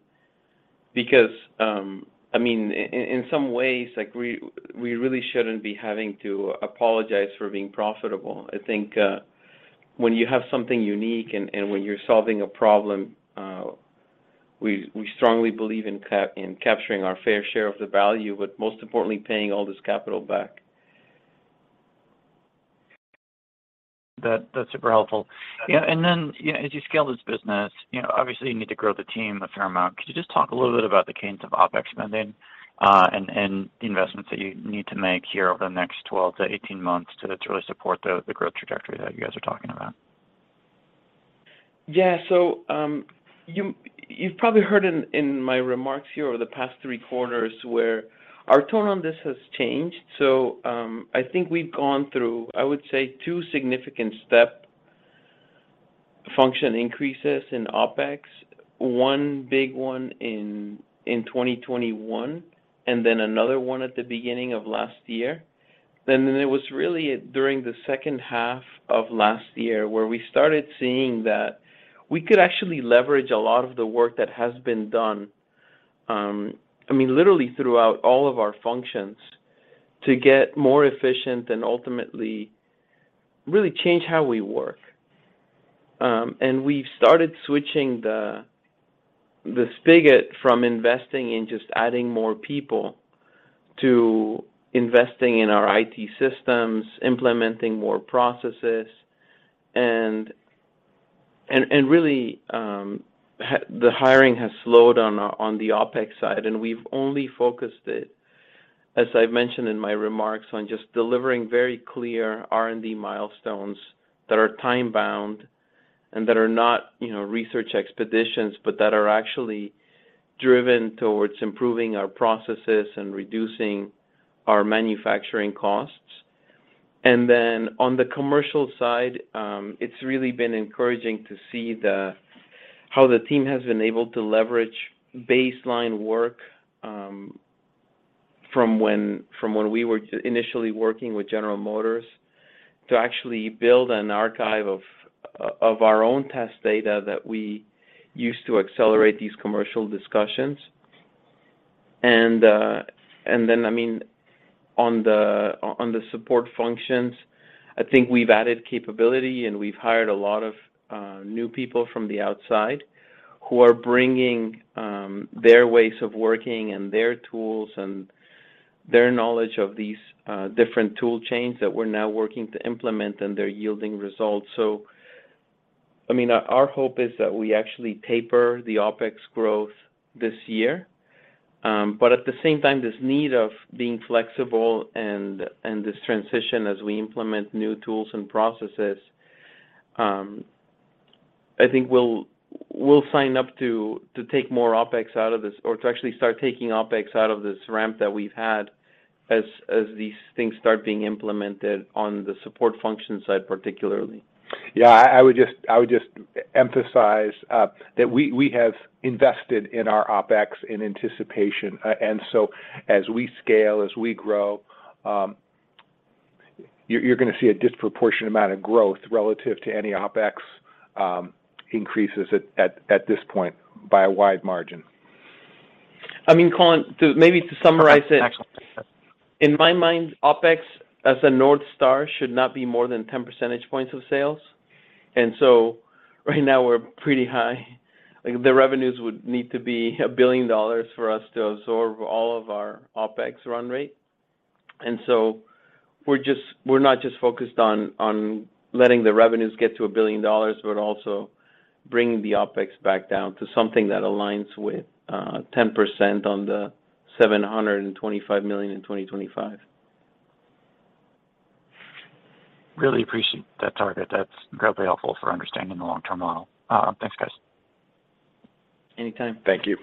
because, I mean, in some ways, like, we really shouldn't be having to apologize for being profitable. I think, when you have something unique and when you're solving a problem, we strongly believe in capturing our fair share of the value, but most importantly, paying all this capital back. That's super helpful. You know, as you scale this business, you know, obviously you need to grow the team a fair amount. Could you just talk a little bit about the cadence of OpEx spending and the investments that you need to make here over the next 12 to 18 months to really support the growth trajectory that you guys are talking about? Yeah, you've probably heard in my remarks here over the past three quarters where our tone on this has changed. I think we've gone through, I would say, two significant step function increases in OpEx. One big one in 2021, and then another one at the beginning of last year. It was really during the second half of last year where we started seeing that we could actually leverage a lot of the work that has been done, I mean, literally throughout all of our functions, to get more efficient and ultimately really change how we work. We've started switching the spigot from investing in just adding more people to investing in our IT systems, implementing more processes, and really, the hiring has slowed on the OpEx side, and we've only focused it, as I've mentioned in my remarks, on just delivering very clear R&D milestones that are time bound and that are not, you know, research expeditions, but that are actually driven towards improving our processes and reducing our manufacturing costs. On the commercial side, it's really been encouraging to see how the team has been able to leverage baseline work from when we were initially working with General Motors to actually build an archive of our own test data that we use to accelerate these commercial discussions. I mean, on the support functions, I think we've added capability, and we've hired a lot of new people from the outside who are bringing their ways of working and their tools and their knowledge of these different tool chains that we're now working to implement, and they're yielding results. I mean, our hope is that we actually taper the OpEx growth this year. At the same time, this need of being flexible and this transition as we implement new tools and processes, I think we'll sign up to take more OpEx out of this or to actually start taking OpEx out of this ramp that we've had as these things start being implemented on the support function side, particularly. I would just emphasize that we have invested in our OpEx in anticipation. As we scale, as we grow, you're gonna see a disproportionate amount of growth relative to any OpEx increases at this point by a wide margin. I mean, Colin, maybe to summarize it. Actually. In my mind, OpEx as a North Star should not be more than 10 percentage points of sales. Right now we're pretty high. Like, the revenues would need to be $1 billion for us to absorb all of our OpEx run rate. We're not just focused on letting the revenues get to $1 billion, but also bringing the OpEx back down to something that aligns with 10% on the $725 million in 2025. Really appreciate that target. That's incredibly helpful for understanding the long-term model. Thanks, guys. Anytime. Thank you.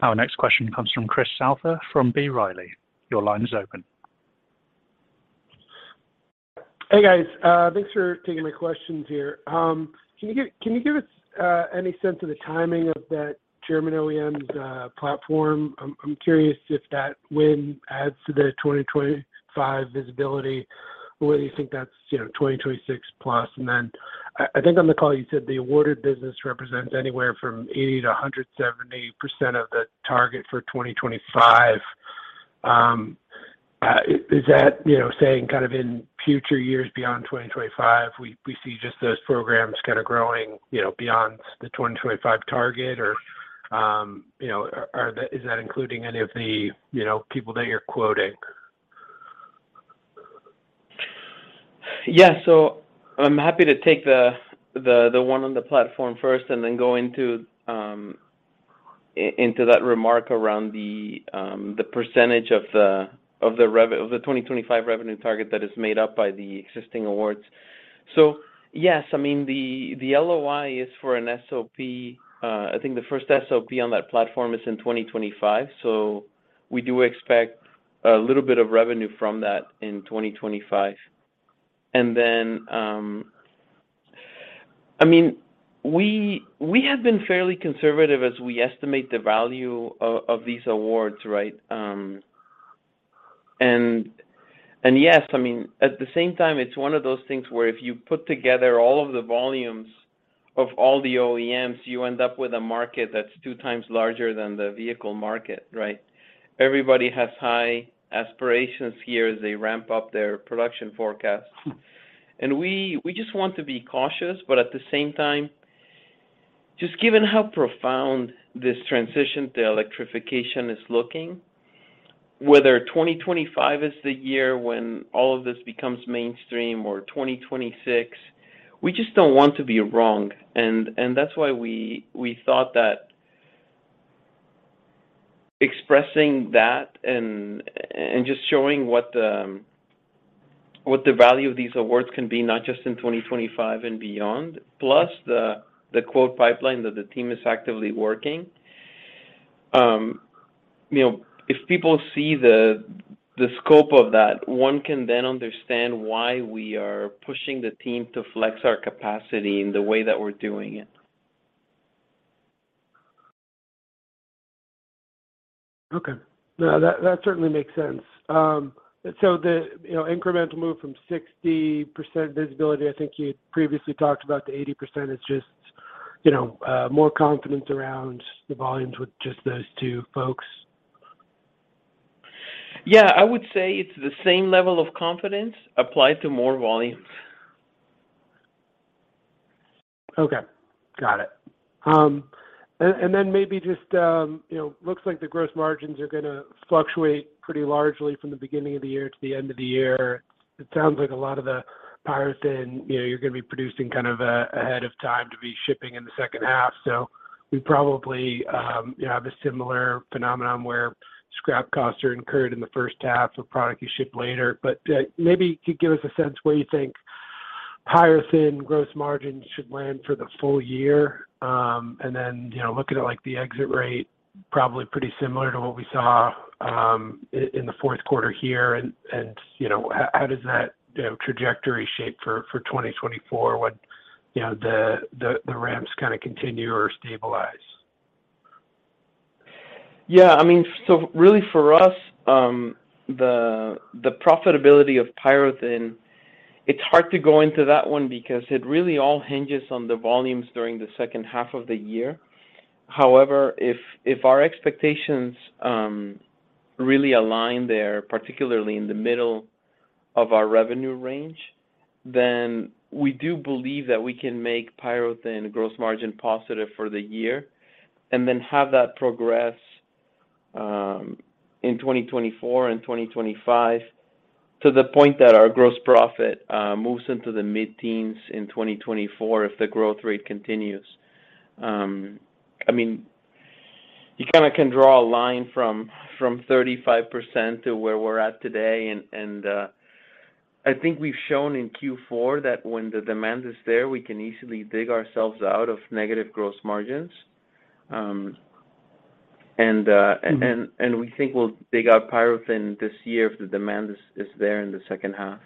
Our next question comes from Chris Souther from B. Riley. Your line is open. Hey, guys. Thanks for taking my questions here. Can you give us any sense of the timing of that German OEM's platform? I'm curious if that win adds to the 2025 visibility, or whether you think that's, you know, 2026 plus. I think on the call you said the awarded business represents anywhere from 80 to 170% of the target for 2025. Is that, you know, saying kind of in future years beyond 2025, we see just those programs kind of growing, you know, beyond the 2025 target or, you know, is that including any of the, you know, people that you're quoting? I'm happy to take the one on the platform first and then go into that remark around the % of the 2025 revenue target that is made up by the existing awards. Yes, I mean, the LOI is for an SOP. I think the first SOP on that platform is in 2025, we do expect a little bit of revenue from that in 2025. I mean, we have been fairly conservative as we estimate the value of these awards, right? Yes, I mean, at the same time, it's one of those things where if you put together all of the volumes of all the OEMs, you end up with a market that's 2x larger than the vehicle market, right? Everybody has high aspirations here as they ramp up their production forecasts. We just want to be cautious, but at the same time, just given how profound this transition to electrification is looking, whether 2025 is the year when all of this becomes mainstream or 2026, we just don't want to be wrong. That's why we thought that expressing that and just showing what the value of these awards can be, not just in 2025 and beyond, plus the quote pipeline that the team is actively working, you know, if people see the scope of that, one can then understand why we are pushing the team to flex our capacity in the way that we're doing it. Okay. No, that certainly makes sense. The, you know, incremental move from 60% visibility, I think you previously talked about the 80% is just, you know, more confidence around the volumes with just those two folks. Yeah. I would say it's the same level of confidence applied to more volumes. Okay. Got it. Then maybe just, you know, looks like the gross margins are gonna fluctuate pretty largely from the beginning of the year to the end of the year. It sounds like a lot of the PyroThin, you know, you're gonna be producing kind of ahead of time to be shipping in the second half. We probably, you know, have a similar phenomenon where scrap costs are incurred in the first half of product you ship later. Maybe could give us a sense where you think PyroThin gross margins should land for the full year. Then, you know, looking at like the exit rate, probably pretty similar to what we saw in the fourth quarter here. You know, how does that, you know, trajectory shape for 2024 when, you know, the ramps kind of continue or stabilize? I mean, really for us, the profitability of PyroThin, it's hard to go into that one because it really all hinges on the volumes during the second half of the year. However, if our expectations really align there, particularly in the middle of our revenue range, then we do believe that we can make PyroThin gross margin positive for the year and then have that progress in 2024 and 2025 to the point that our gross profit moves into the mid-teens in 2024 if the growth rate continues. I mean, you kinda can draw a line from 35% to where we're at today, and I think we've shown in Q4 that when the demand is there, we can easily dig ourselves out of negative gross margins. we think we'll dig out PyroThin this year if the demand is there in the second half.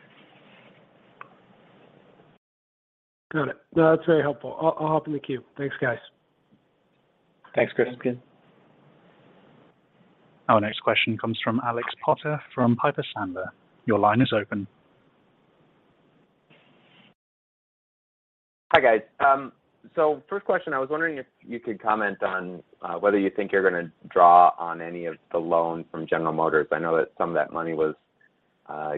Got it. No, that's very helpful. I'll hop in the queue. Thanks, guys. Thanks, Chris. Our next question comes from Alex Potter from Piper Sandler. Your line is open. Hi, guys. First question, I was wondering if you could comment on whether you think you're gonna draw on any of the loan from General Motors. I know that some of that money was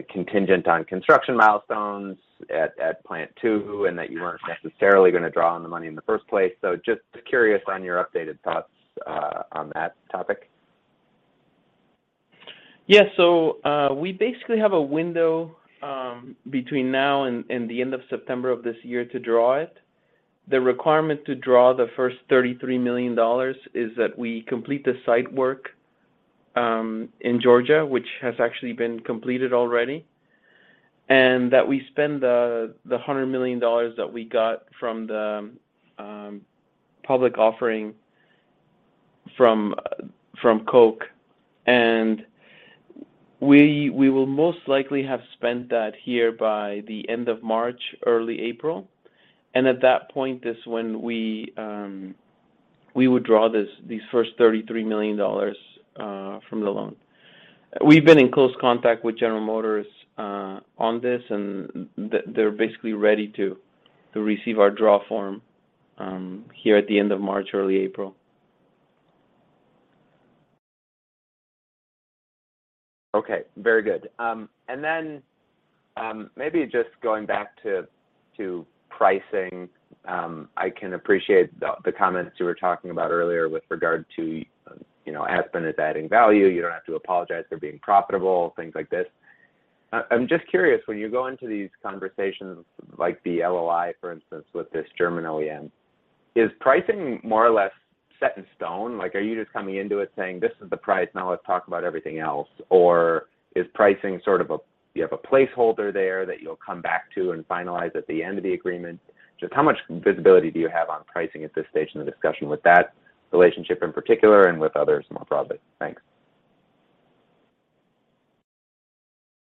contingent on construction milestones at Plant 2, and that you weren't necessarily gonna draw on the money in the first place. Just curious on your updated thoughts on that topic. We basically have a window between now and the end of September of this year to draw it. The requirement to draw the first $33 million is that we complete the site work in Georgia, which has actually been completed already, and that we spend the $100 million that we got from the public offering from Koch. We will most likely have spent that here by the end of March, early April. At that point is when we would draw these first $33 million from the loan. We've been in close contact with General Motors on this, and they're basically ready to receive our draw form here at the end of March, early April. Okay. Very good. Maybe just going back to pricing, I can appreciate the comments you were talking about earlier with regard to, you know, Aspen is adding value. You don't have to apologize. They're being profitable, things like this. I'm just curious, when you go into these conversations like the LOI, for instance, with this German OEM, is pricing more or less set in stone? Like, are you just coming into it saying, "This is the price, now let's talk about everything else"? Or is pricing sort of a placeholder there that you'll come back to and finalize at the end of the agreement? Just how much visibility do you have on pricing at this stage in the discussion with that relationship in particular and with others more broadly? Thanks.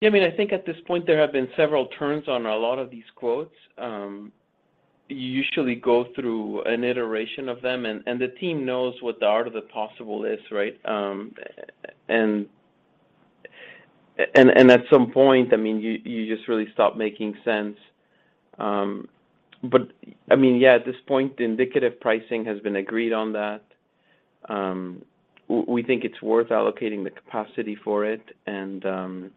Yeah, I mean, I think at this point there have been several turns on a lot of these quotes. You usually go through an iteration of them, and the team knows what the art of the possible is, right? And at some point, I mean, you just really stop making sense. I mean, yeah, at this point, the indicative pricing has been agreed on that. We think it's worth allocating the capacity for it. That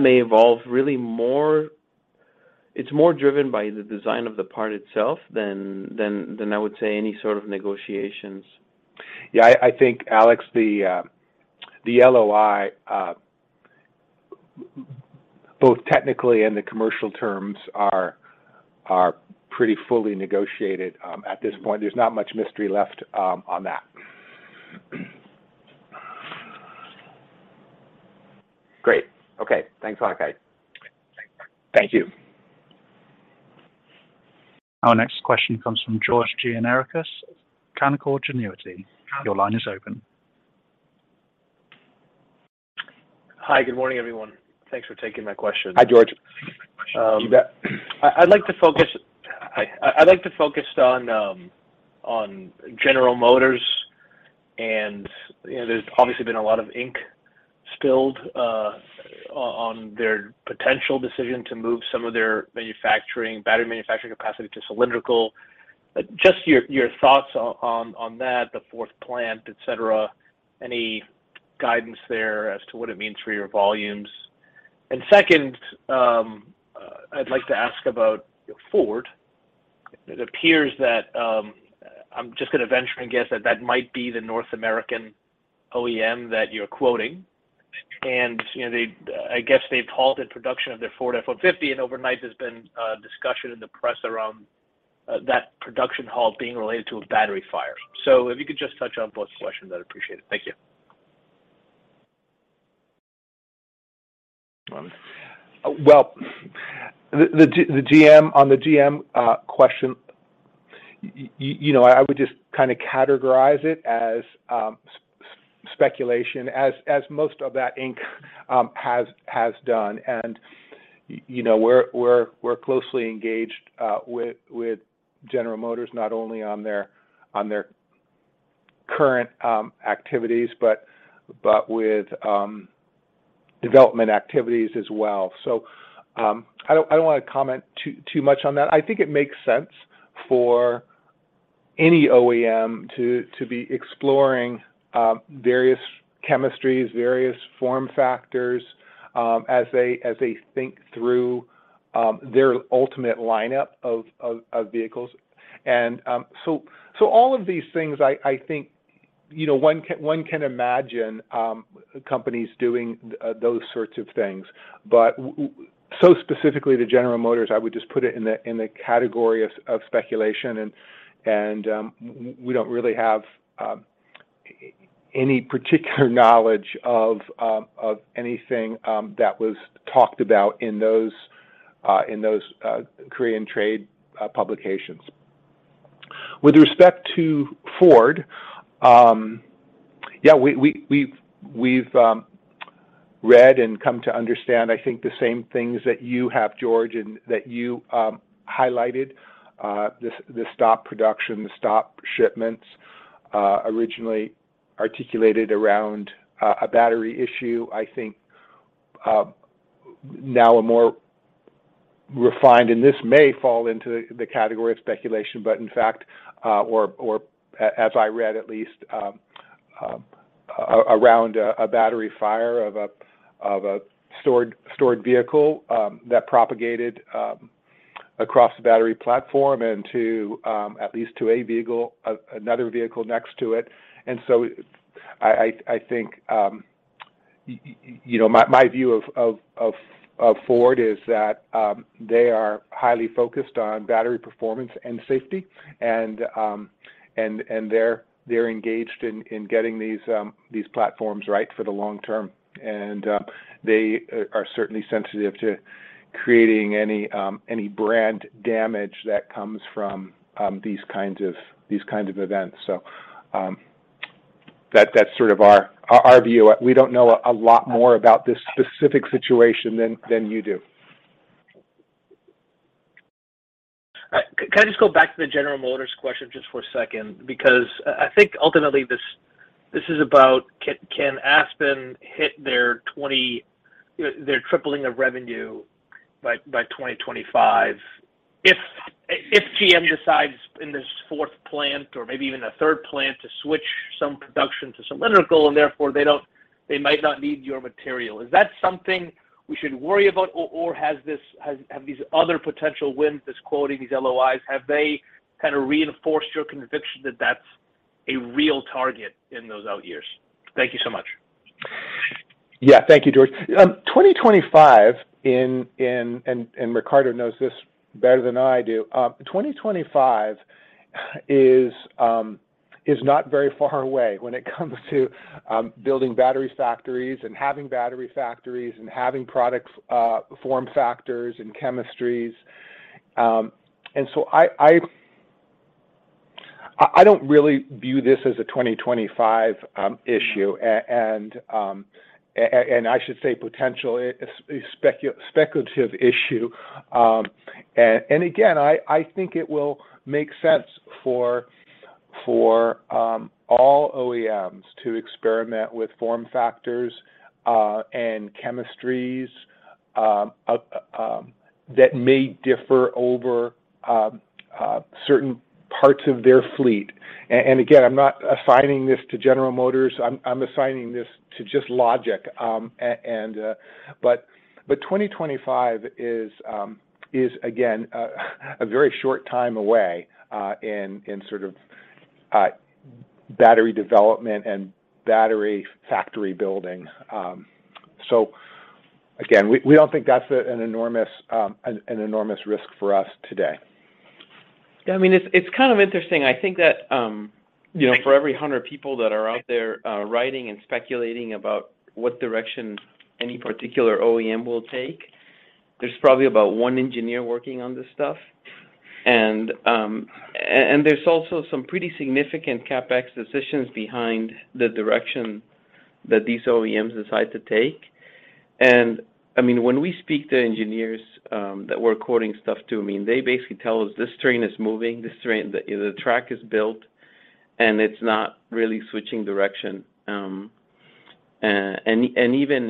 may evolve really more... It's more driven by the design of the part itself than I would say any sort of negotiations. Yeah. I think, Alex, the LOI, both technically and the commercial terms are pretty fully negotiated, at this point. There's not much mystery left, on that. Great. Okay. Thanks, guys. Thank you. Our next question comes from George Gianarikas, Canaccord Genuity. Your line is open. Hi. Good morning, everyone. Thanks for taking my question. Hi, George. You bet. I'd like to focus on General Motors, you know, there's obviously been a lot of ink spilled on their potential decision to move some of their manufacturing, battery manufacturing capacity to cylindrical. Just your thoughts on that, the fourth plant, et cetera. Any guidance there as to what it means for your volumes? Second, I'd like to ask about Ford. It appears that I'm just gonna venture and guess that that might be the North American OEM that you're quoting. You know, I guess they've halted production of their Ford F-150, and overnight there's been a discussion in the press around that production halt being related to a battery fire. If you could just touch on both questions, I'd appreciate it. Thank you. Well, on the GM question, you know, I would just kinda categorize it as speculation, as most of that ink has done. You know, we're closely engaged with General Motors, not only on their current activities, but with development activities as well. I don't wanna comment too much on that. I think it makes sense for any OEM to be exploring various chemistries, various form factors, as they think through their ultimate lineup of vehicles. All of these things I think, you know, one can imagine companies doing those sorts of things. So specifically to General Motors, I would just put it in the category of speculation and we don't really have any particular knowledge of anything that was talked about in those Korean trade publications. With respect to Ford, yeah, we've read and come to understand, I think, the same things that you have, George, and that you highlighted. The stopped production, the stopped shipments, originally articulated around a battery issue. I think, now a more refined, and this may fall into the category of speculation, but in fact, or as I read at least, around a battery fire of a stored vehicle that propagated across the battery platform into at least to a vehicle next to it. I think, you know, my view of Ford is that they are highly focused on battery performance and safety and they're engaged in getting these platforms right for the long term. They are certainly sensitive to creating any brand damage that comes from these kind of events. That's sort of our view. We don't know a lot more about this specific situation than you do. All right. Can I just go back to the General Motors question just for a second? I think ultimately this is about can Aspen hit their you know, their tripling of revenue by 2025 if GM decides in this fourth plant or maybe even a third plant to switch some production to cylindrical and therefore they might not need your material. Is that something we should worry about or have these other potential wins, this quoting, these LOIs, have they kind of reinforced your conviction that that's a real target in those out years? Thank you so much. Yeah. Thank you, George. 2025. And Ricardo knows this better than I do. 2025 is not very far away when it comes to building battery factories and having battery factories and having products, form factors and chemistries. I don't really view this as a 2025 issue. I should say potentially a speculative issue. Again, I think it will make sense for all OEMs to experiment with form factors and chemistries that may differ over certain parts of their fleet. Again, I'm not assigning this to General Motors. I'm assigning this to just logic. 2025 is again a very short time away in sort of battery development and battery factory building. Again, we don't think that's an enormous risk for us today. I mean, it's kind of interesting. I think that, you know, for every 100 people that are out there, writing and speculating about what direction any particular OEM will take, there's probably about 1 engineer working on this stuff. there's also some pretty significant CapEx decisions behind the direction that these OEMs decide to take. I mean, when we speak to engineers, that we're quoting stuff to, I mean, they basically tell us this train is moving, this train, the track is built, and it's not really switching direction. Even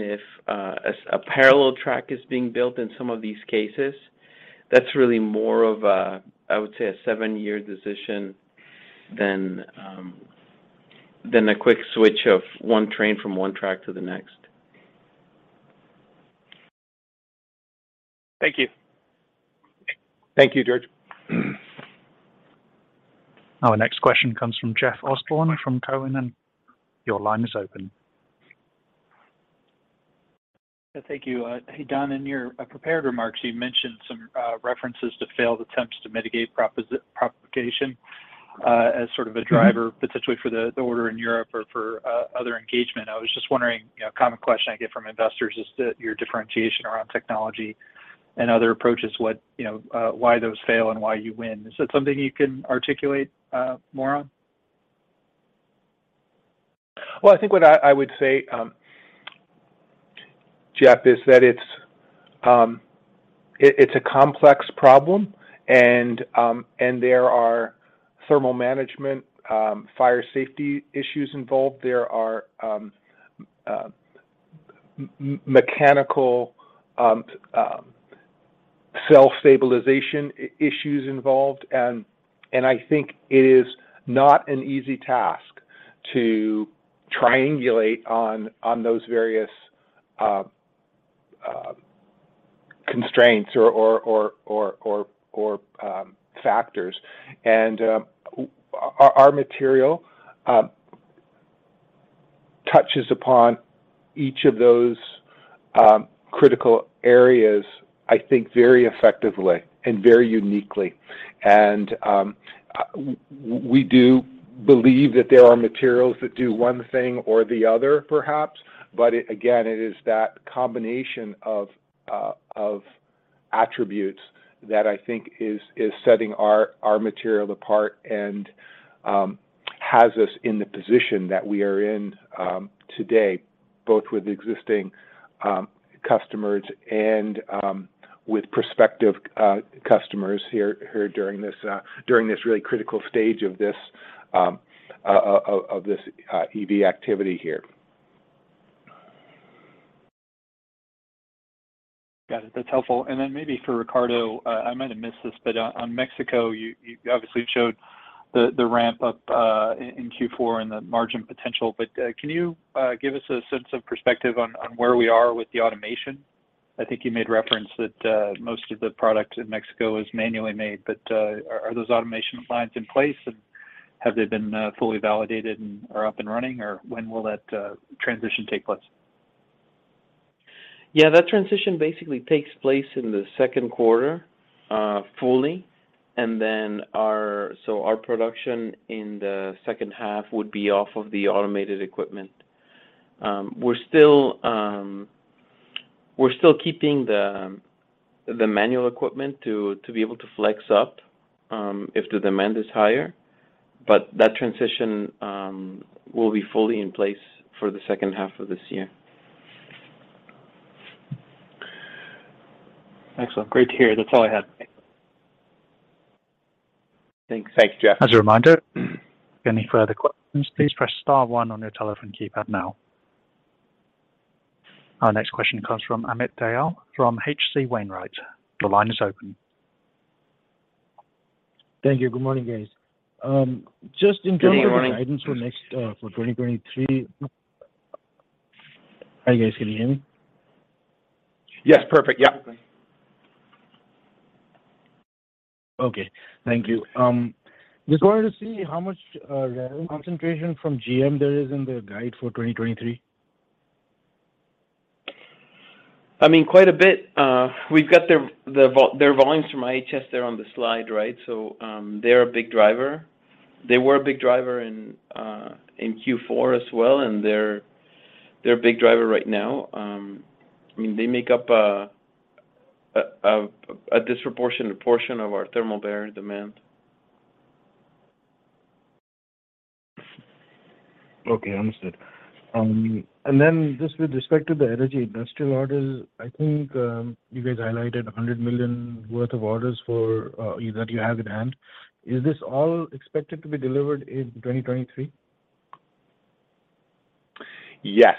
if, a parallel track is being built in some of these cases, that's really more of a, I would say, a seven-year decision than a quick switch of one train from one track to the next. Thank you. Thank you, George. Our next question comes from Jeff Osborne from Cowen, and your line is open. Thank you. Hey, Don, in your prepared remarks, you mentioned some references to failed attempts to mitigate propagation, as sort of a driver. Mm-hmm potentially for the order in Europe or for other engagement. I was just wondering, you know, a common question I get from investors is your differentiation around technology and other approaches. What, you know, why those fail and why you win. Is that something you can articulate more on? Well, I think what I would say, Jeff, is that it's a complex problem and there are thermal management, fire safety issues involved. There are mechanical, cell stabilization issues involved. I think it is not an easy task to triangulate on those various constraints or factors. Our material touches upon each of those critical areas, I think very effectively and very uniquely. We do believe that there are materials that do one thing or the other perhaps, but it again, it is that combination of attributes that I think is setting our material apart and has us in the position that we are in today, both with existing customers and with prospective customers here during this during this really critical stage of this of this EV activity here. Got it. That's helpful. Then maybe for Ricardo, I might have missed this, but on Mexico, you obviously showed the ramp up in Q4 and the margin potential. Can you give us a sense of perspective on where we are with the automation? I think you made reference that most of the product in Mexico is manually made, but are those automation lines in place and have they been fully validated and are up and running or when will that transition take place? Yeah. That transition basically takes place in the second quarter fully. Our production in the second half would be off of the automated equipment. We're still keeping the manual equipment to be able to flex up if the demand is higher. That transition will be fully in place for the second half of this year. Excellent. Great to hear. That's all I had. Thanks. Thanks, Jeff. As a reminder, any further questions, please press star one on your telephone keypad now. Our next question comes from Amit Dayal from H.C. Wainwright. Your line is open. Thank you. Good morning, guys. just in terms of Good morning. guidance for next, for 2023. Are you guys hearing me? Yes. Perfect. Yeah. Okay. Thank you. Just wanted to see how much revenue concentration from GM there is in the guide for 2023. I mean, quite a bit. We've got their volumes from IHS there on the slide, right? They're a big driver. They were a big driver in Q4 as well, and they're a big driver right now. I mean, they make up a disproportionate portion of our thermal barrier demand. Okay. Understood. Just with respect to the energy industrial orders, I think, you guys highlighted $100 million worth of orders for, that you have in hand. Is this all expected to be delivered in 2023? Yes.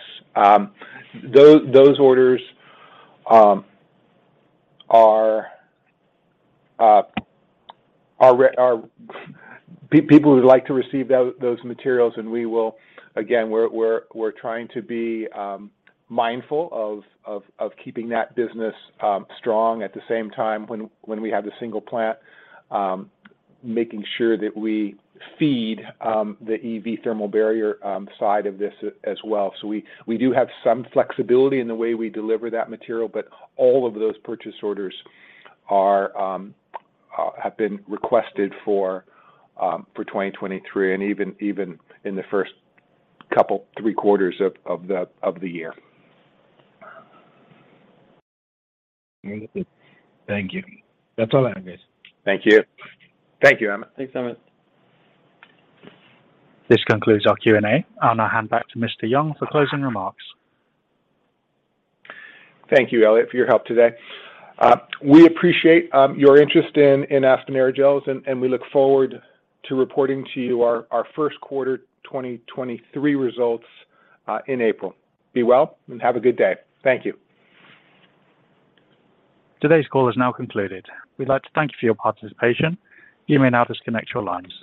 Those orders are people would like to receive those materials, and we will... Again, we're trying to be mindful of keeping that business strong. At the same time, when we have the single plant, making sure that we feed the EV thermal barrier side of this as well. We do have some flexibility in the way we deliver that material, but all of those purchase orders are have been requested for 2023 and even in the first couple, three quarters of the year. Thank you. That's all I have, guys. Thank you. Thank you, Amit. Thanks, Amit. This concludes our Q&A. I'll now hand back to Mr. Young for closing remarks. Thank you, Elliot, for your help today. We appreciate your interest in Aspen Aerogels, and we look forward to reporting to you our first quarter 2023 results in April. Be well, and have a good day. Thank you. Today's call is now concluded. We'd like to thank you for your participation. You may now disconnect your lines.